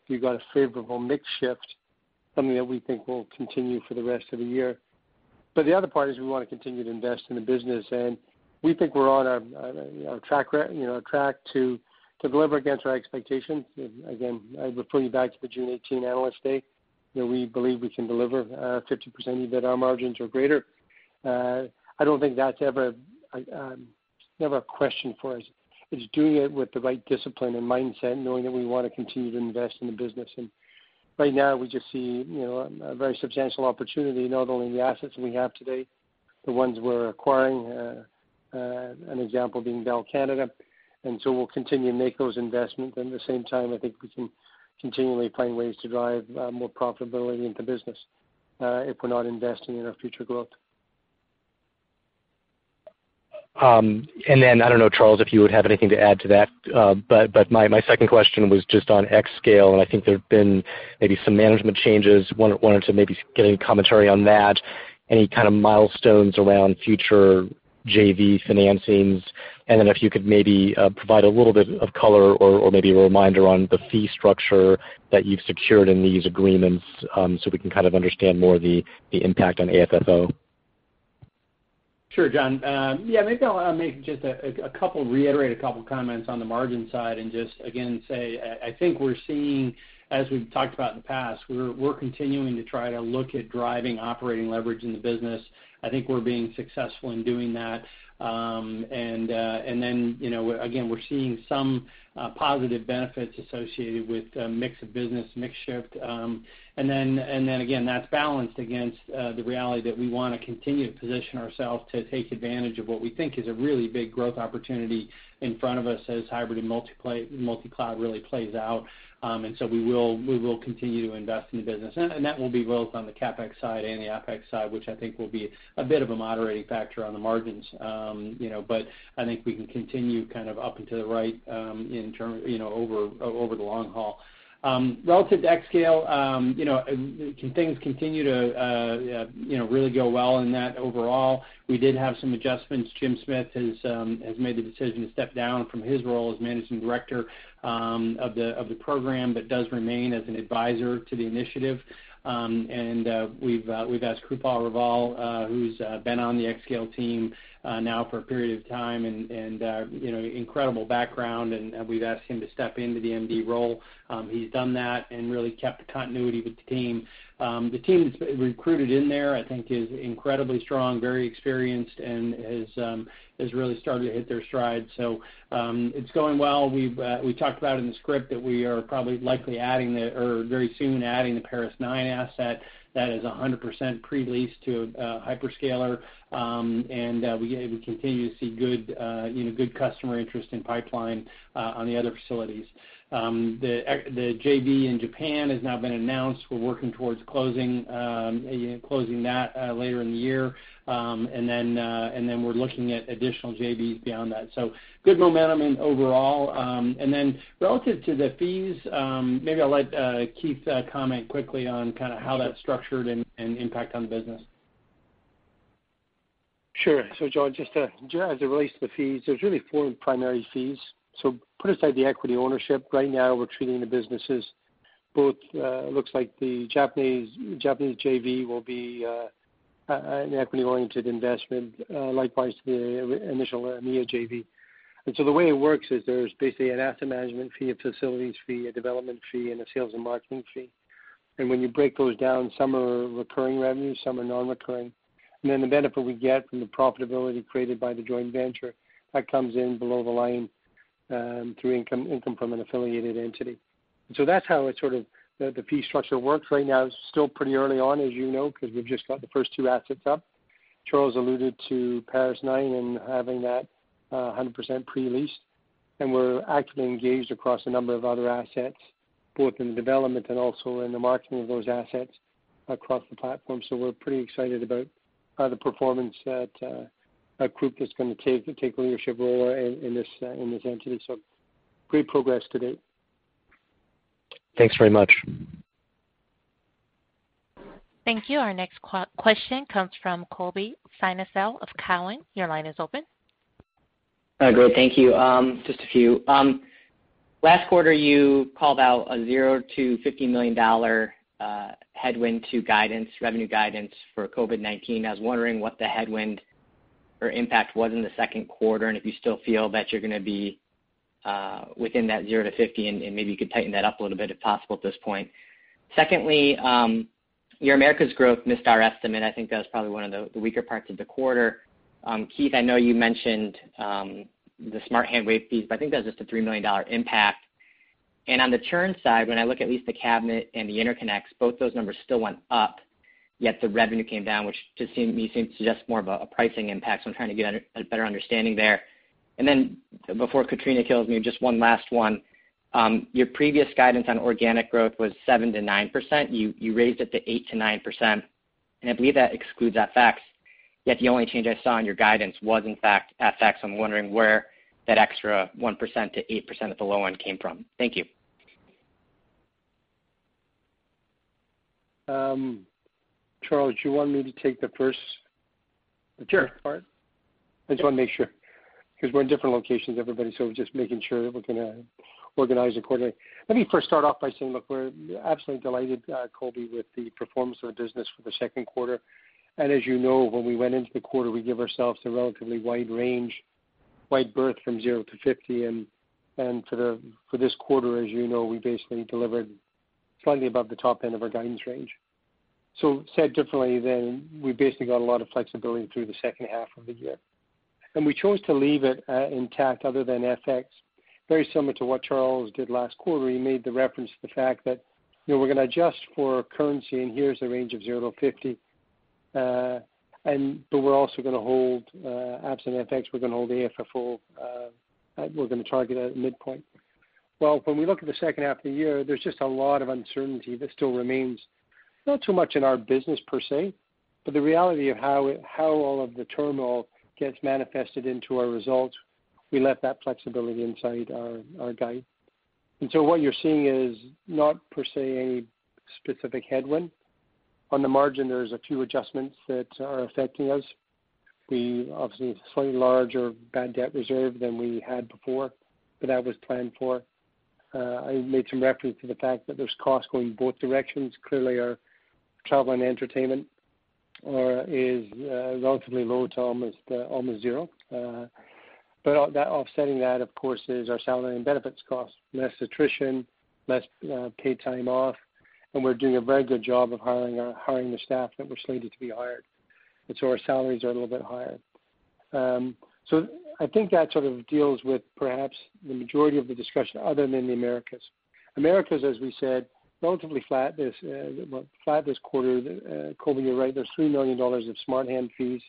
we got a favorable mix shift, something that we think will continue for the rest of the year. The other part is we want to continue to invest in the business. We think we're on our track to deliver against our expectations. Again, I would point you back to the June 2018 Analyst Day, that we believe we can deliver 50% EBITDA margins or greater. I don't think that's ever a question for us. It's doing it with the right discipline and mindset, knowing that we want to continue to invest in the business. Right now we just see a very substantial opportunity, not only in the assets we have today, the ones we're acquiring, an example being Bell Canada. We'll continue to make those investments, and at the same time, I think we can continually find ways to drive more profitability into business if we're not investing in our future growth. I don't know, Charles, if you would have anything to add to that. My second question was just on xScale, and I think there have been maybe some management changes, wanted to maybe get any commentary on that, any kind of milestones around future JV financings, if you could maybe provide a little bit of color or maybe a reminder on the fee structure that you've secured in these agreements, so we can kind of understand more the impact on AFFO. Sure, Jon. Yeah, maybe I'll just reiterate a two comments on the margin side and just again say, I think we're seeing, as we've talked about in the past, we're continuing to try to look at driving operating leverage in the business. I think we're being successful in doing that. Then again, we're seeing some positive benefits associated with mix of business, mix shift. Then again, that's balanced against the reality that we want to continue to position ourselves to take advantage of what we think is a really big growth opportunity in front of us as hybrid and multi-cloud really plays out. We will continue to invest in the business, and that will be both on the CapEx side and the OpEx side, which I think will be a bit of a moderating factor on the margins. I think we can continue kind of up and to the right over the long haul. Relative to xScale, things continue to really go well in that overall. We did have some adjustments. Jim Smith has made the decision to step down from his role as managing director of the program, but does remain as an advisor to the initiative. We've asked Krupal Raval, who's been on the xScale team now for a period of time, and incredible background, and we've asked him to step into the MD role. He's done that and really kept the continuity with the team. The team that's recruited in there, I think, is incredibly strong, very experienced, and has really started to hit their stride. It's going well. We talked about in the script that we are probably likely very soon adding the Paris 9 asset. That is 100% pre-leased to a hyperscaler. We continue to see good customer interest in pipeline on the other facilities. The JV in Japan has now been announced. We're working towards closing that later in the year. Then we're looking at additional JVs beyond that. Good momentum in overall. Then relative to the fees, maybe I'll let Keith comment quickly on kind of how that's structured and impact on the business. Sure. Jon, just as it relates to the fees, there's really four primary fees. Put aside the equity ownership. Right now, we're treating the businesses both. It looks like the Japanese JV will be an equity-oriented investment, likewise to the initial EMEA JV. The way it works is there's basically an asset management fee, a facilities fee, a development fee, and a sales and marketing fee. When you break those down, some are recurring revenues, some are non-recurring. The benefit we get from the profitability created by the joint venture, that comes in below the line through income from an affiliated entity. That's how the fee structure works right now. It's still pretty early on, as you know, because we've just got the first two assets up. Charles alluded to Paris 9 and having that 100% pre-leased, and we're actively engaged across a number of other assets, both in the development and also in the marketing of those assets across the platform. We're pretty excited about the performance that group is going to take the leadership role in this entity. Great progress to date. Thanks very much. Thank you. Our next question comes from Colby Synesael of Cowen. Your line is open. Great. Thank you. Just a few. Last quarter, you called out a zero to $50 million headwind to revenue guidance for COVID-19. I was wondering what the headwind or impact was in the second quarter and if you still feel that you're going to be within that zero to 50, and maybe you could tighten that up a little bit, if possible, at this point. Secondly, your Americas growth missed our estimate. I think that was probably one of the weaker parts of the quarter. Keith, I know you mentioned the Smart Hands waived fees, I think that's just a $3 million impact. On the churn side, when I look at least the cabinet and the interconnects, both those numbers still went up, yet the revenue came down, which to me seems to suggest more of a pricing impact. I'm trying to get a better understanding there. Before Katrina kills me, just one last one. Your previous guidance on organic growth was 7%-9%. You raised it to 8%-9%, and I believe that excludes the fact. The only change I saw in your guidance was, in fact, FX, so I'm wondering where that extra 1%-8% at the low end came from. Thank you. Charles, you want me to take the first part? Sure. I just want to make sure, because we're in different locations, everybody, just making sure that we're going to organize accordingly. Let me first start off by saying, look, we're absolutely delighted, Colby, with the performance of the business for the second quarter. As you know, when we went into the quarter, we give ourselves a relatively wide range, wide berth from zero to 50. For this quarter, as you know, we basically delivered slightly above the top end of our guidance range. Said differently, we've basically got a lot of flexibility through the second half of the year. We chose to leave it intact other than FX, very similar to what Charles did last quarter. He made the reference to the fact that we're going to adjust for currency and here's the range of zero to 50. We're also going to hold absent FX, we're going to hold AFFO, we're going to target at midpoint. When we look at the second half of the year, there's just a lot of uncertainty that still remains, not too much in our business per se, but the reality of how all of the turmoil gets manifested into our results. We left that flexibility inside our guide. What you're seeing is not per se a specific headwind. On the margin, there's a few adjustments that are affecting us. We obviously have a slightly larger bad debt reserve than we had before, but that was planned for. I made some reference to the fact that there's costs going both directions. Clearly, our travel and entertainment is relatively low to almost zero. Offsetting that, of course, is our salary and benefits costs, less attrition, less paid time off, and we're doing a very good job of hiring the staff that we're slated to be hired. Our salaries are a little bit higher. I think that sort of deals with perhaps the majority of the discussion other than the Americas. Americas, as we said, relatively flat this quarter. Colby, you're right, there's $3 million of Smart Hands fees.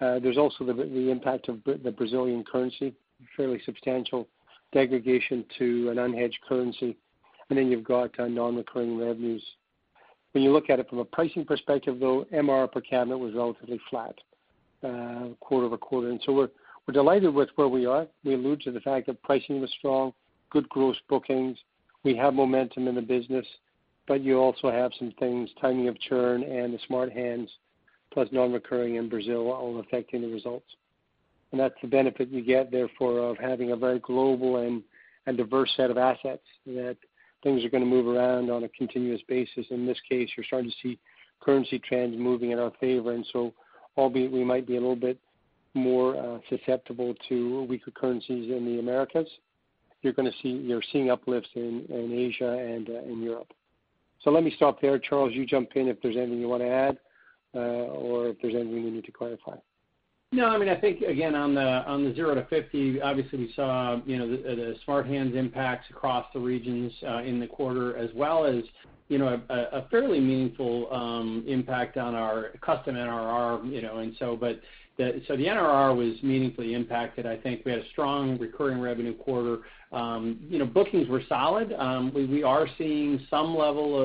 There's also the impact of the Brazilian currency, fairly substantial degradation to an unhedged currency, you've got non-recurring revenues. When you look at it from a pricing perspective, though, MRR per cabinet was relatively flat quarter-over-quarter. We're delighted with where we are. We allude to the fact that pricing was strong, good gross bookings. We have momentum in the business, but you also have some things, timing of churn and the Smart Hands, plus non-recurring in Brazil, all affecting the results. That's the benefit you get, therefore, of having a very global and diverse set of assets, that things are going to move around on a continuous basis. In this case, you're starting to see currency trends moving in our favor. Albeit we might be a little bit more susceptible to weaker currencies in the Americas, you're seeing uplifts in Asia and in Europe. Let me stop there. Charles, you jump in if there's anything you want to add or if there's anything we need to clarify. No, I think, again, on the zero to 50, obviously we saw the Smart Hands impacts across the regions in the quarter as well as a fairly meaningful impact on our custom NRR. The NRR was meaningfully impacted. I think we had a strong recurring revenue quarter. Bookings were solid. We are seeing some level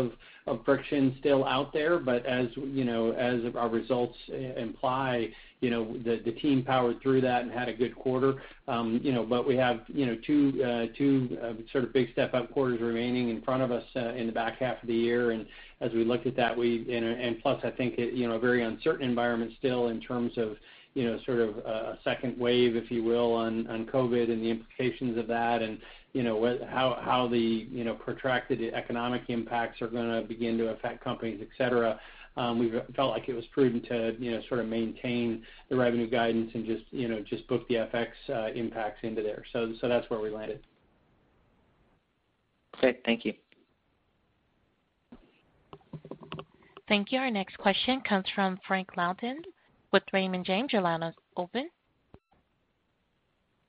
of friction still out there, but as our results imply, the team powered through that and had a good quarter. We have two sort of big step-up quarters remaining in front of us in the back half of the year, and as we look at that, and plus I think a very uncertain environment still in terms of sort of a second wave, if you will, on COVID and the implications of that and how the protracted economic impacts are going to begin to affect companies, et cetera. We felt like it was prudent to sort of maintain the revenue guidance and just book the FX impacts into there. That's where we landed. Great. Thank you. Thank you. Our next question comes from Frank Louthan with Raymond James. Your line is open.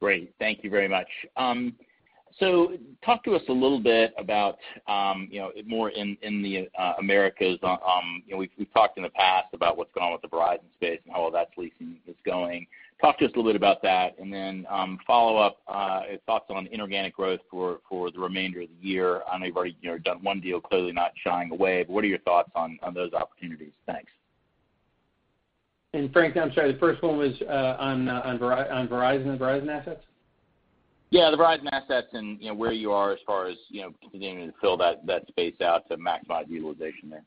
Great. Thank you very much. Talk to us a little bit about more in the Americas. We've talked in the past about what's going on with the Verizon space and how all that leasing is going. Talk to us a little bit about that, and then follow up thoughts on inorganic growth for the remainder of the year. I know you've already done one deal, clearly not shying away, but what are your thoughts on those opportunities? Thanks. Frank, I'm sorry, the first one was on Verizon assets? Yeah, the Verizon assets and where you are as far as continuing to fill that space out to maximize utilization there.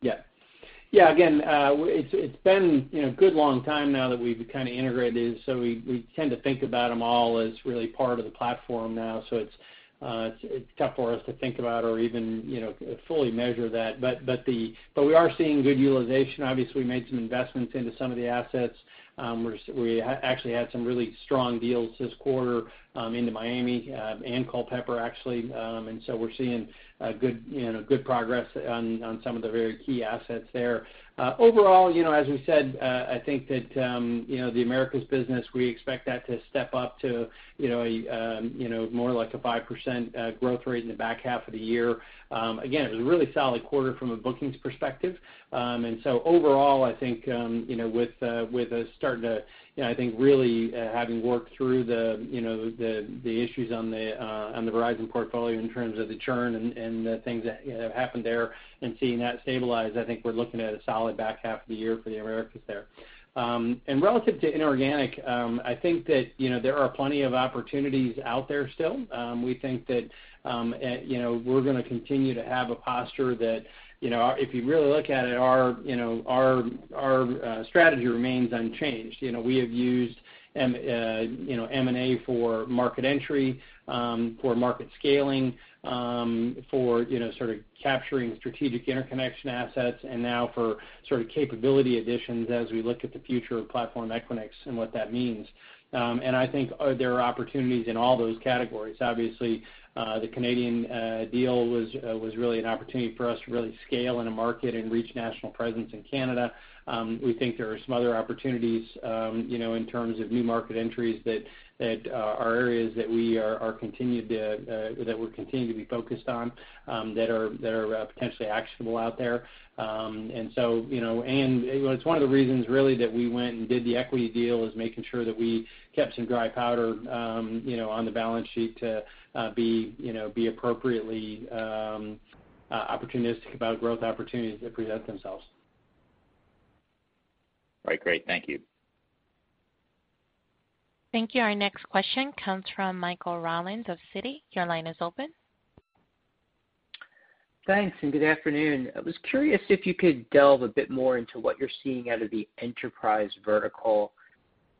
Yeah. Again, it's been a good long time now that we've kind of integrated it, we tend to think about them all as really part of the platform now. It's tough for us to think about or even fully measure that. We are seeing good utilization. Obviously, we made some investments into some of the assets. We actually had some really strong deals this quarter into Miami and Culpeper, actually. We're seeing good progress on some of the very key assets there. Overall, as we said, I think that the Americas business, we expect that to step up to more like a 5% growth rate in the back half of the year. Again, it was a really solid quarter from a bookings perspective. Overall, I think with us starting to really having worked through the issues on the Verizon portfolio in terms of the churn and the things that have happened there and seeing that stabilize, I think we're looking at a solid back half of the year for the Americas there. Relative to inorganic, I think that there are plenty of opportunities out there still. We think that we're going to continue to have a posture that, if you really look at it, our strategy remains unchanged. We have used M&A for market entry, for market scaling, for sort of capturing strategic interconnection assets, and now for capability additions as we look at the future of Platform Equinix and what that means. I think there are opportunities in all those categories. Obviously, the Canadian deal was really an opportunity for us to really scale in a market and reach national presence in Canada. We think there are some other opportunities in terms of new market entries that are areas that we're continuing to be focused on that are potentially actionable out there. It's one of the reasons, really, that we went and did the equity deal is making sure that we kept some dry powder on the balance sheet to be appropriately opportunistic about growth opportunities that present themselves. Right. Great. Thank you. Thank you. Our next question comes from Michael Rollins of Citi. Your line is open. Thanks. Good afternoon. I was curious if you could delve a bit more into what you're seeing out of the enterprise vertical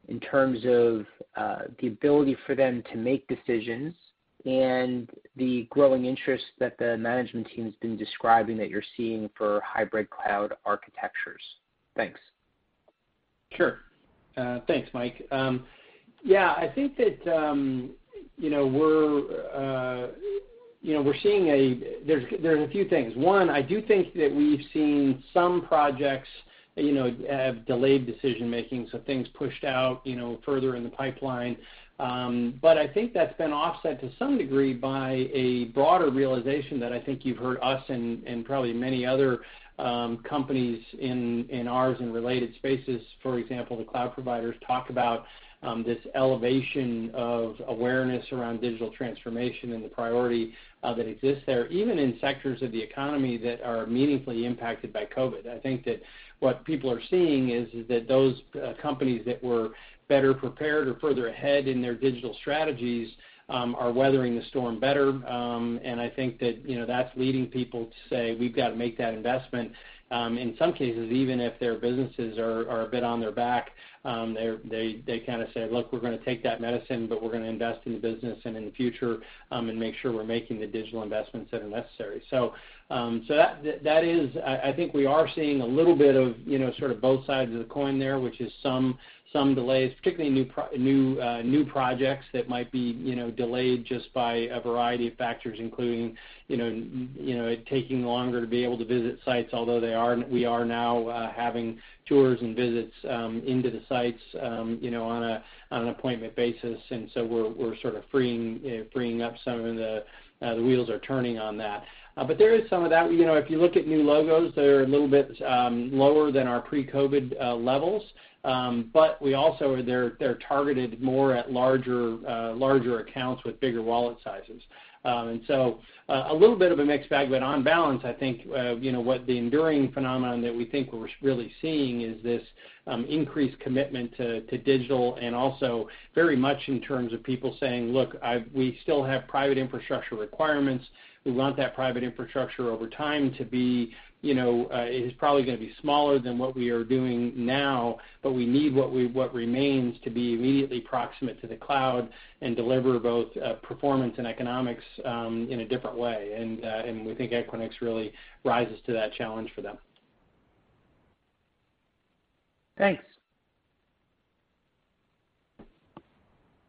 in terms of the ability for them to make decisions and the growing interest that the management team's been describing that you're seeing for hybrid cloud architectures. Thanks. Sure. Thanks, Mike. There's a few things. One, I do think that we've seen some projects have delayed decision-making, so things pushed out further in the pipeline. I think that's been offset to some degree by a broader realization that I think you've heard us and probably many other companies in ours and related spaces, for example, the cloud providers talk about this elevation of awareness around digital transformation and the priority that exists there, even in sectors of the economy that are meaningfully impacted by COVID. I think that what people are seeing is that those companies that were better prepared or further ahead in their digital strategies are weathering the storm better. I think that's leading people to say, "We've got to make that investment." In some cases, even if their businesses are a bit on their back, they say, "Look, we're going to take that medicine, but we're going to invest in the business and in the future, and make sure we're making the digital investments that are necessary." I think we are seeing a little bit of both sides of the coin there, which is some delays, particularly new projects that might be delayed just by a variety of factors, including taking longer to be able to visit sites, although we are now having tours and visits into the sites on an appointment basis. The wheels are turning on that. There is some of that. If you look at new logos, they're a little bit lower than our pre-COVID levels. They're targeted more at larger accounts with bigger wallet sizes. A little bit of a mixed bag, but on balance, I think what the enduring phenomenon that we think we're really seeing is this increased commitment to digital and also very much in terms of people saying, "Look, we still have private infrastructure requirements. We want that private infrastructure over time. It is probably going to be smaller than what we are doing now, but we need what remains to be immediately proximate to the cloud and deliver both performance and economics in a different way." We think Equinix really rises to that challenge for them. Thanks.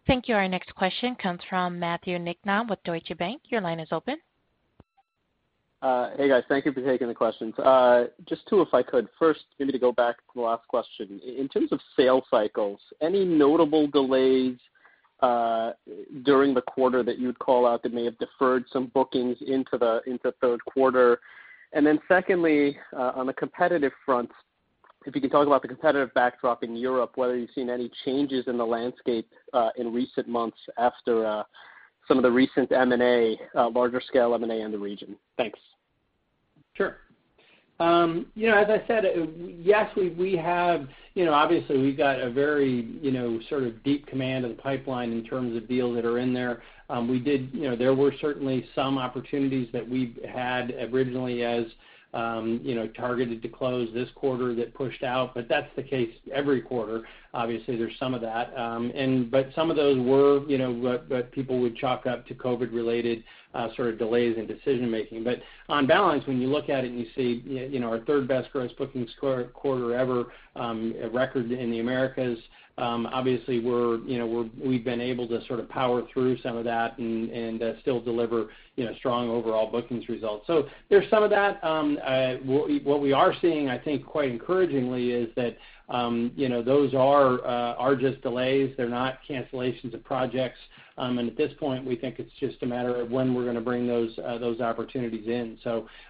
Thank you. Our next question comes from Matthew Niknam with Deutsche Bank. Your line is open. Hey, guys. Thank you for taking the questions. Just two, if I could. First, maybe to go back to the last question. In terms of sales cycles, any notable delays during the quarter that you'd call out that may have deferred some bookings into third quarter? Secondly, on the competitive front, if you could talk about the competitive backdrop in Europe, whether you've seen any changes in the landscape in recent months after some of the recent larger scale M&A in the region? Thanks. Sure. As I said, obviously we've got a very deep command of the pipeline in terms of deals that are in there. There were certainly some opportunities that we had originally as targeted to close this quarter that pushed out, but that's the case every quarter. Obviously, there's some of that. Some of those that people would chalk up to COVID-related delays in decision-making. On balance, when you look at it and you see our third-best gross bookings quarter ever, a record in the Americas. Obviously, we've been able to power through some of that and still deliver strong overall bookings results. There's some of that. What we are seeing, I think quite encouragingly, is that those are just delays. They're not cancellations of projects. At this point, we think it's just a matter of when we're going to bring those opportunities in.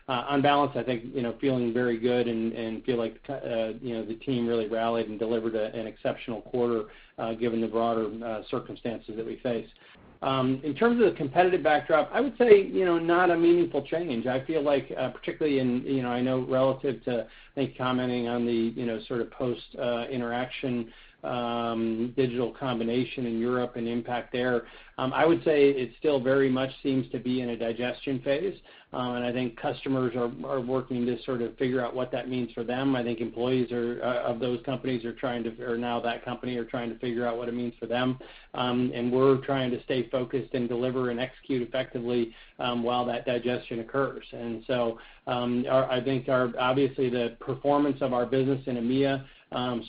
On balance, I think feeling very good and feel like the team really rallied and delivered an exceptional quarter given the broader circumstances that we face. In terms of the competitive backdrop, I would say not a meaningful change. I feel like particularly in, I know relative to, I think, commenting on the post Interxion Digital Realty combination in Europe and impact there. I would say it still very much seems to be in a digestion phase. I think customers are working to figure out what that means for them. I think employees of those companies or now that company are trying to figure out what it means for them. We're trying to stay focused and deliver and execute effectively while that digestion occurs. I think obviously the performance of our business in EMEA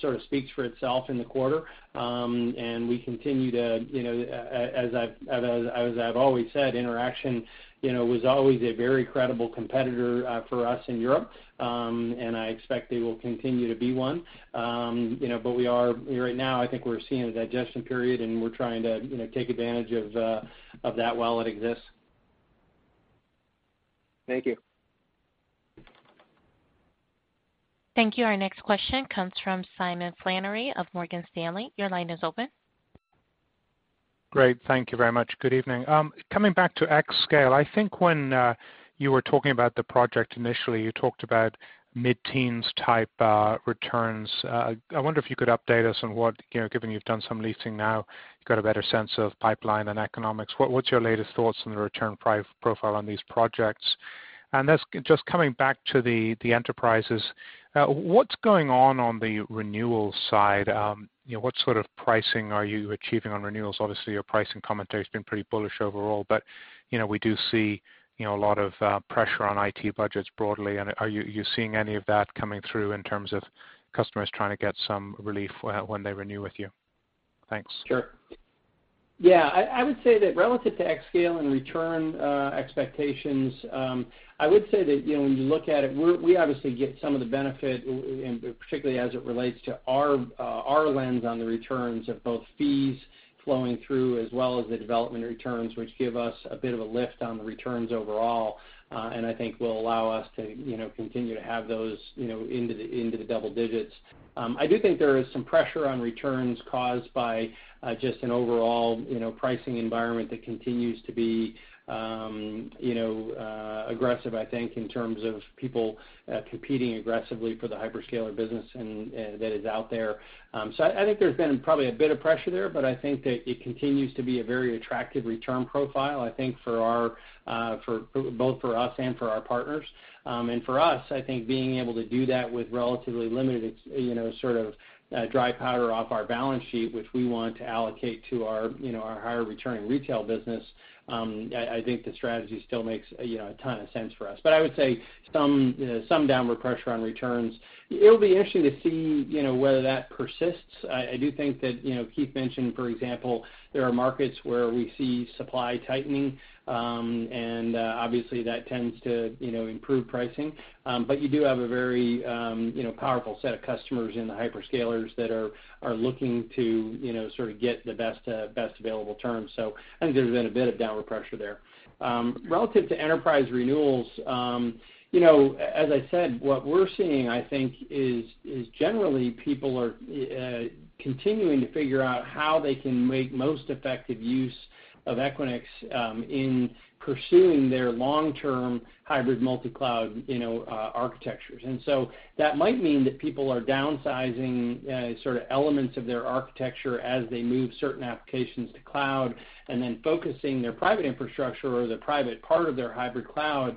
sort of speaks for itself in the quarter. We continue to, as I've always said, Interxion was always a very credible competitor for us in Europe, and I expect they will continue to be one. Right now, I think we're seeing a digestion period, and we're trying to take advantage of that while it exists. Thank you. Thank you. Our next question comes from Simon Flannery of Morgan Stanley. Your line is open. Great. Thank you very much. Good evening. Coming back to xScale, I think when you were talking about the project initially, you talked about mid-teens type returns. I wonder if you could update us on what, given you've done some leasing now, you've got a better sense of pipeline and economics. What's your latest thoughts on the return profile on these projects? Just coming back to the enterprises, what's going on on the renewal side? What sort of pricing are you achieving on renewals? Obviously, your pricing commentary's been pretty bullish overall, but we do see a lot of pressure on IT budgets broadly. Are you seeing any of that coming through in terms of customers trying to get some relief when they renew with you? Thanks. Sure. Yeah, I would say that relative to xScale and return expectations, I would say that when you look at it, we obviously get some of the benefit, and particularly as it relates to our lens on the returns of both fees flowing through as well as the development returns, which give us a bit of a lift on the returns overall, and I think will allow us to continue to have those into the double digits. I do think there is some pressure on returns caused by just an overall pricing environment that continues to be aggressive, I think, in terms of people competing aggressively for the hyperscaler business that is out there. I think there's been probably a bit of pressure there, but I think that it continues to be a very attractive return profile, I think both for us and for our partners. For us, I think being able to do that with relatively limited dry powder off our balance sheet, which we want to allocate to our higher returning retail business, I think the strategy still makes a ton of sense for us. I would say some downward pressure on returns. It'll be interesting to see whether that persists. I do think that Keith mentioned, for example, there are markets where we see supply tightening, and obviously that tends to improve pricing. You do have a very powerful set of customers in the hyperscalers that are looking to sort of get the best available terms. I think there's been a bit of downward pressure there. Relative to enterprise renewals, as I said, what we're seeing, I think, is generally people are continuing to figure out how they can make most effective use of Equinix in pursuing their long-term hybrid multi-cloud architectures. That might mean that people are downsizing sort of elements of their architecture as they move certain applications to cloud, and then focusing their private infrastructure or the private part of their hybrid cloud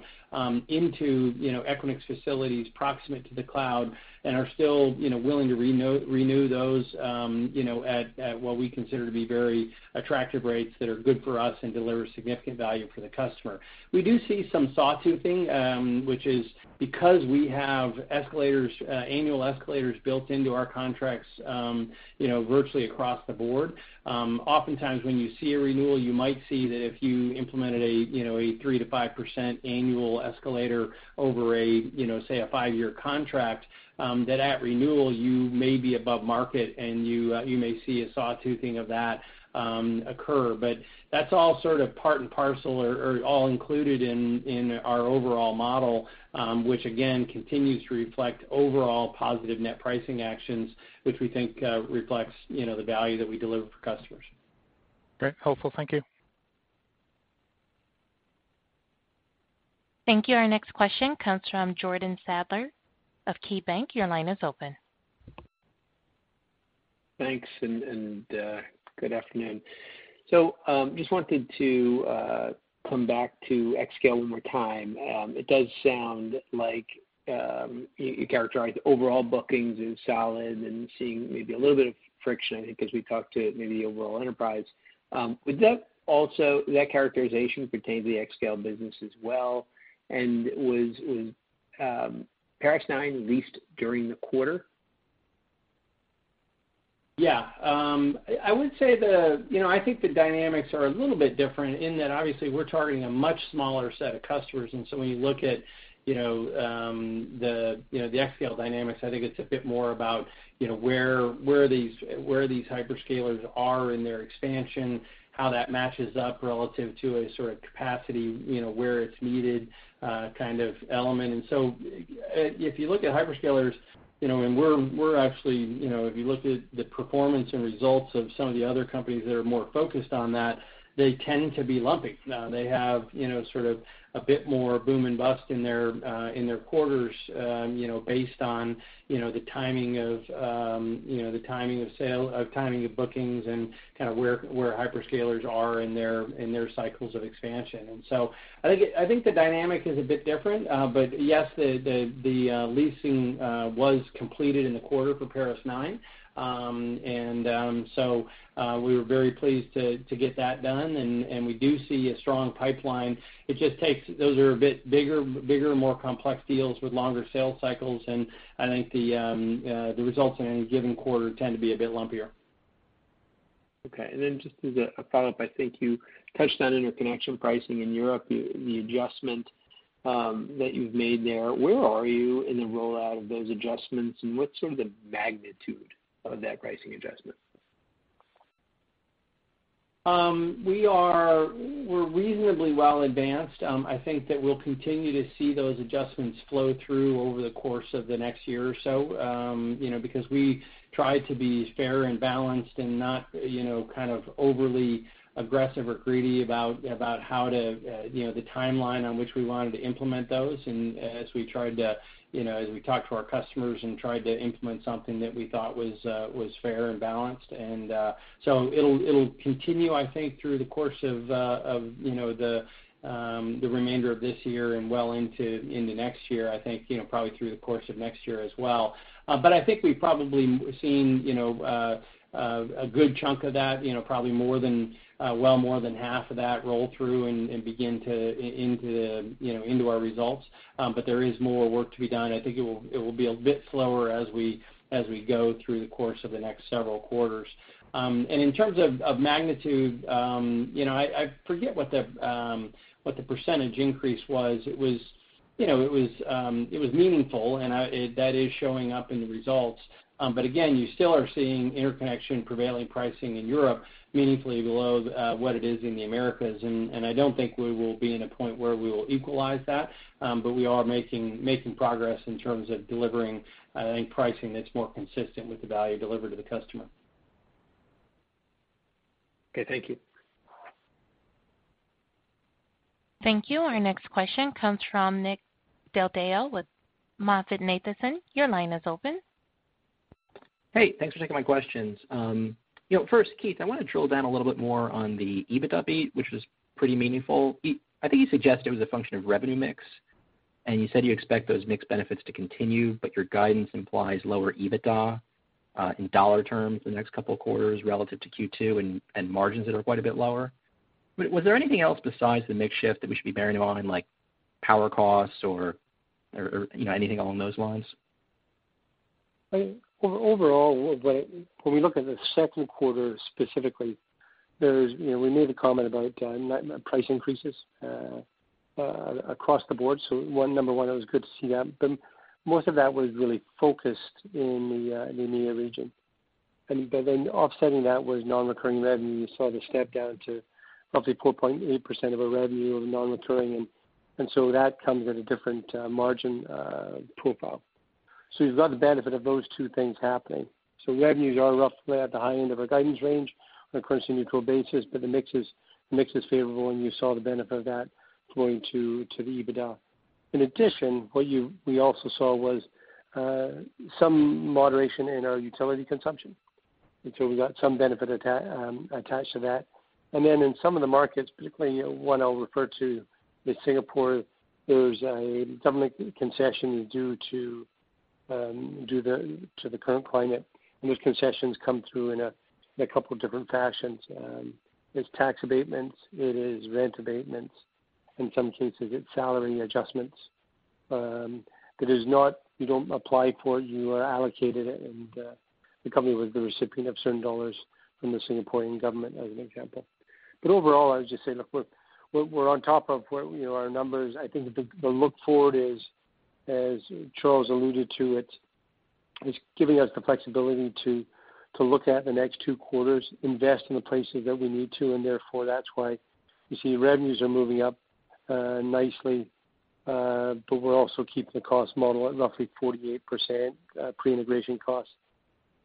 into Equinix facilities proximate to the cloud and are still willing to renew those at what we consider to be very attractive rates that are good for us and deliver significant value for the customer. We do see some sawtoothing, which is because we have annual escalators built into our contracts virtually across the board. Oftentimes, when you see a renewal, you might see that if you implemented a 3%-5% annual escalator over, say, a five-year contract, that at renewal you may be above market and you may see a sawtoothing of that occur. That's all sort of part and parcel or all included in our overall model, which again continues to reflect overall positive net pricing actions, which we think reflects the value that we deliver for customers. Great. Helpful. Thank you. Thank you. Our next question comes from Jordan Sadler of KeyBanc. Your line is open. Thanks, and good afternoon. Just wanted to come back to xScale one more time. It does sound like you characterize overall bookings as solid and seeing maybe a little bit of friction because we talked to maybe overall enterprise. Would that characterization pertain to the xScale business as well? Was Paris 9 leased during the quarter? Yeah. I think the dynamics are a little bit different in that obviously we're targeting a much smaller set of customers. When you look at the xScale dynamics, I think it's a bit more about where these hyperscalers are in their expansion, how that matches up relative to a sort of capacity, where it's needed kind of element. If you look at hyperscalers, if you looked at the performance and results of some of the other companies that are more focused on that, they tend to be lumpy. They have sort of a bit more boom and bust in their quarters based on the timing of bookings and kind of where hyperscalers are in their cycles of expansion. I think the dynamic is a bit different. Yes, the leasing was completed in the quarter for Paris 9. We were very pleased to get that done, and we do see a strong pipeline. Those are a bit bigger, more complex deals with longer sales cycles. I think the results in any given quarter tend to be a bit lumpier. Okay. Just as a follow-up, I think you touched on interconnection pricing in Europe, the adjustment that you've made there. Where are you in the rollout of those adjustments, and what's sort of the magnitude of that pricing adjustment? We're reasonably well advanced. I think that we'll continue to see those adjustments flow through over the course of the next year or so because we tried to be fair and balanced and not overly aggressive or greedy about the timeline on which we wanted to implement those as we talked to our customers and tried to implement something that we thought was fair and balanced. It'll continue, I think, through the course of the remainder of this year and well into next year. I think, probably through the course of next year as well. I think we've probably seen a good chunk of that, probably more than half of that roll through and begin to enter into our results. There is more work to be done. I think it will be a bit slower as we go through the course of the next several quarters. In terms of magnitude, I forget what the percentage increase was. It was meaningful, and that is showing up in the results. Again, you still are seeing interconnection prevailing pricing in Europe meaningfully below what it is in the Americas. I don't think we will be in a point where we will equalize that, but we are making progress in terms of delivering, I think, pricing that's more consistent with the value delivered to the customer. Okay, thank you. Thank you. Our next question comes from Nick Del Deo with MoffettNathanson. Your line is open. Hey, thanks for taking my questions. First, Keith, I want to drill down a little bit more on the EBITDA beat, which was pretty meaningful. I think you suggested it was a function of revenue mix, and you said you expect those mix benefits to continue, but your guidance implies lower EBITDA in dollar terms the next couple of quarters relative to Q2 and margins that are quite a bit lower. Was there anything else besides the mix shift that we should be bearing in mind, like power costs or anything along those lines? Overall, when we look at the second quarter specifically, we made a comment about net price increases across the board. Number one, it was good to see that, but most of that was really focused in the EMEA region. Offsetting that was non-recurring revenue. You saw the step-down to roughly 4.8% of our revenue of non-recurring. That comes at a different margin profile. You've got the benefit of those two things happening. Revenues are roughly at the high end of our guidance range on a currency-neutral basis, but the mix is favorable, and you saw the benefit of that flowing to the EBITDA. In addition, what we also saw was some moderation in our utility consumption, we got some benefit attached to that. In some of the markets, particularly one I'll refer to is Singapore, there's a government concession due to the current climate, and those concessions come through in a couple of different fashions. It's tax abatements, it is rent abatements. In some cases, it's salary adjustments. You don't apply for it. You are allocated it, and the company was the recipient of certain dollars from the Singaporean government as an example. Overall, I would just say, look, we're on top of our numbers. I think the look-forward is, as Charles alluded to, it's giving us the flexibility to look at the next two quarters, invest in the places that we need to, that's why you see revenues are moving up nicely. We're also keeping the cost model at roughly 48%, pre-integration costs.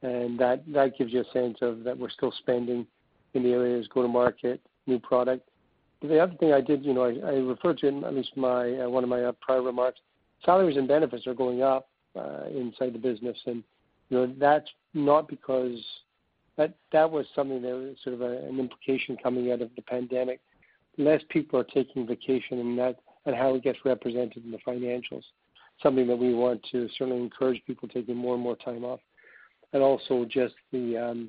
That gives you a sense that we're still spending in the areas go-to-market, new product. The other thing I referred to in at least one of my prior remarks, salaries and benefits are going up inside the business, and that was something that was sort of an implication coming out of the pandemic. Less people are taking vacation and how it gets represented in the financials, something that we want to certainly encourage people taking more and more time off. Also just the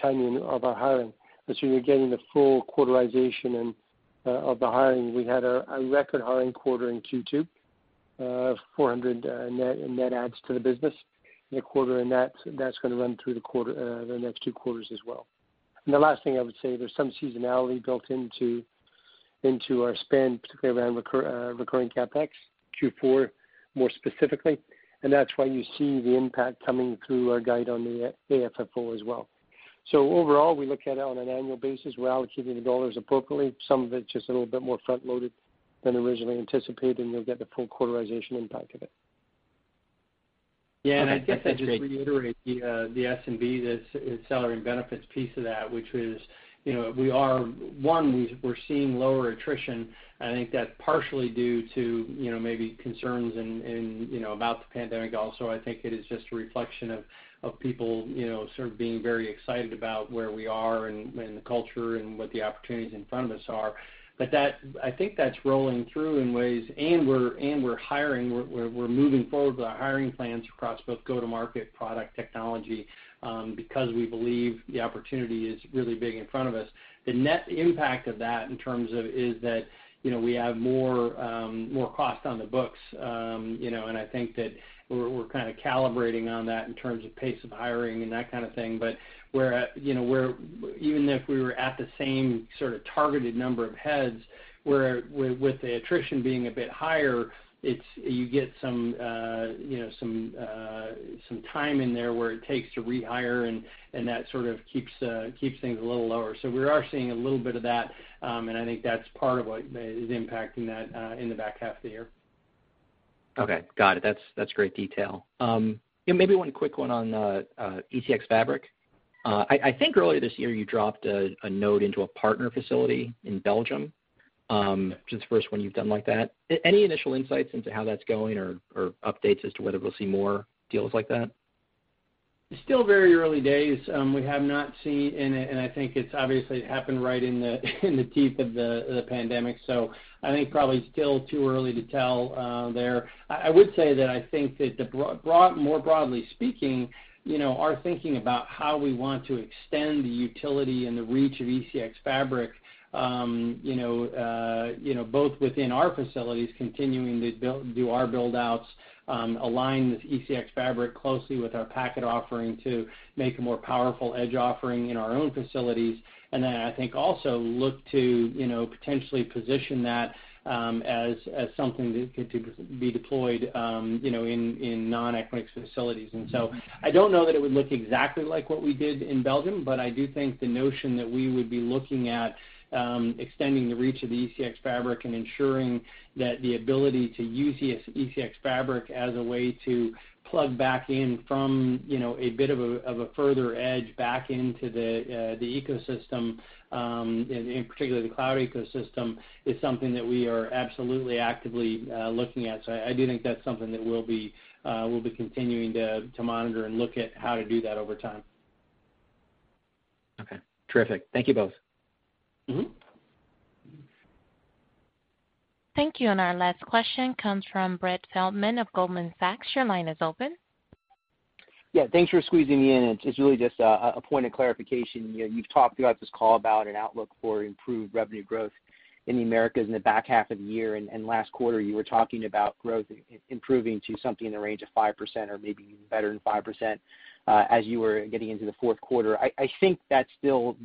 timing of our hiring. You're getting the full quarterization of the hiring. We had a record hiring quarter in Q2 of 400 net adds to the business in a quarter, and that's going to run through the next two quarters as well. The last thing I would say, there's some seasonality built into our spend, particularly around recurring CapEx, Q4 more specifically, and that's why you see the impact coming through our guide on the AFFO as well. Overall, we look at it on an annual basis. We're allocating the dollars appropriately. Some of it's just a little bit more front-loaded than originally anticipated, and you'll get the full quarterization impact of it. Yeah, I guess I'd just the S&B, the salary and benefits piece of that, which is, one, we're seeing lower attrition. I think that's partially due to maybe concerns about the pandemic. I think it is just a reflection of people sort of being very excited about where we are and the culture and what the opportunities in front of us are. I think that's rolling through in ways, and we're hiring. We're moving forward with our hiring plans across both go-to-market product technology because we believe the opportunity is really big in front of us. The net impact of that in terms of is that we have more cost on the books, and I think that we're kind of calibrating on that in terms of pace of hiring and that kind of thing. Even if we were at the same sort of targeted number of heads, with the attrition being a bit higher, you get some time in there where it takes to rehire, and that sort of keeps things a little lower. We are seeing a little bit of that, and I think that's part of what is impacting that in the back half of the year. Okay. Got it. That's great detail. Maybe one quick one on ECX Fabric. I think earlier this year you dropped a node into a partner facility in Belgium, which is the first one you've done like that. Any initial insights into how that's going or updates as to whether we'll see more deals like that? It's still very early days. We have not seen, and I think it's obviously happened right in the teeth of the pandemic, so I think probably still too early to tell there. I would say that I think that more broadly speaking, our thinking about how we want to extend the utility and the reach of ECX Fabric, both within our facilities, continuing to do our build-outs, align with ECX Fabric closely with our Packet offering to make a more powerful edge offering in our own facilities. Then I think also look to potentially position that as something that could be deployed in non-Equinix facilities. I don't know that it would look exactly like what we did in Belgium, but I do think the notion that we would be looking at extending the reach of the ECX Fabric and ensuring that the ability to use ECX Fabric as a way to plug back in from a bit of a further edge back into the ecosystem, and in particular the cloud ecosystem, is something that we are absolutely actively looking at. I do think that's something that we'll be continuing to monitor and look at how to do that over time. Okay. Terrific. Thank you both. Thank you. Our last question comes from Brett Feldman of Goldman Sachs. Your line is open. Yeah, thanks for squeezing me in. It's really just a point of clarification. You've talked throughout this call about an outlook for improved revenue growth in the Americas in the back half of the year. Last quarter you were talking about growth improving to something in the range of 5% or maybe even better than 5%, as you were getting into the fourth quarter. I think that's still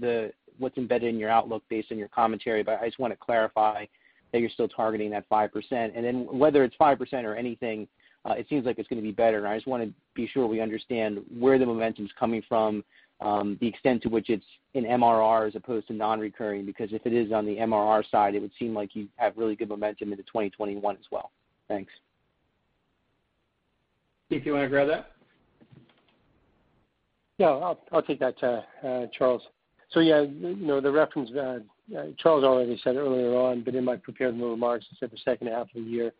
what's embedded in your outlook based on your commentary. I just want to clarify that you're still targeting that 5%. Whether it's 5% or anything, it seems like it's going to be better, and I just want to be sure we understand where the momentum's coming from, the extent to which it's in MRR as opposed to non-recurring, because if it is on the MRR side, it would seem like you have really good momentum into 2021 as well. Thanks. Keith, you want to grab that? Yeah, I'll take that, Charles. Yeah, the reference, Charles already said earlier on, but in my prepared remarks, I said the second half of the year.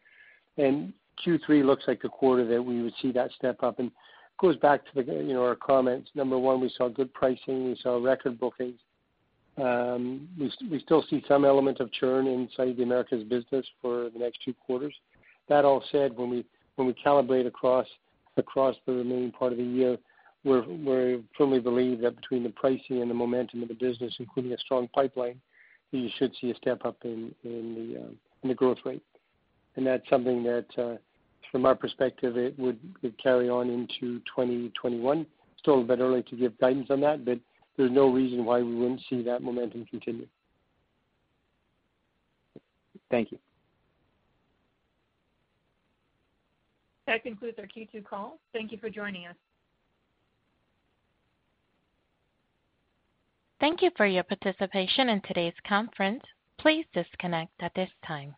Q3 looks like the quarter that we would see that step up, and it goes back to our comments. Number one, we saw good pricing, we saw record bookings. We still see some element of churn inside the Americas business for the next two quarters. That all said, when we calibrate across the remaining part of the year, we firmly believe that between the pricing and the momentum of the business, including a strong pipeline, you should see a step up in the growth rate. That's something that, from our perspective, it would carry on into 2021. Still a bit early to give guidance on that, there's no reason why we wouldn't see that momentum continue. Thank you. That concludes our Q2 call. Thank you for joining us. Thank you for your participation in today's conference. Please disconnect at this time.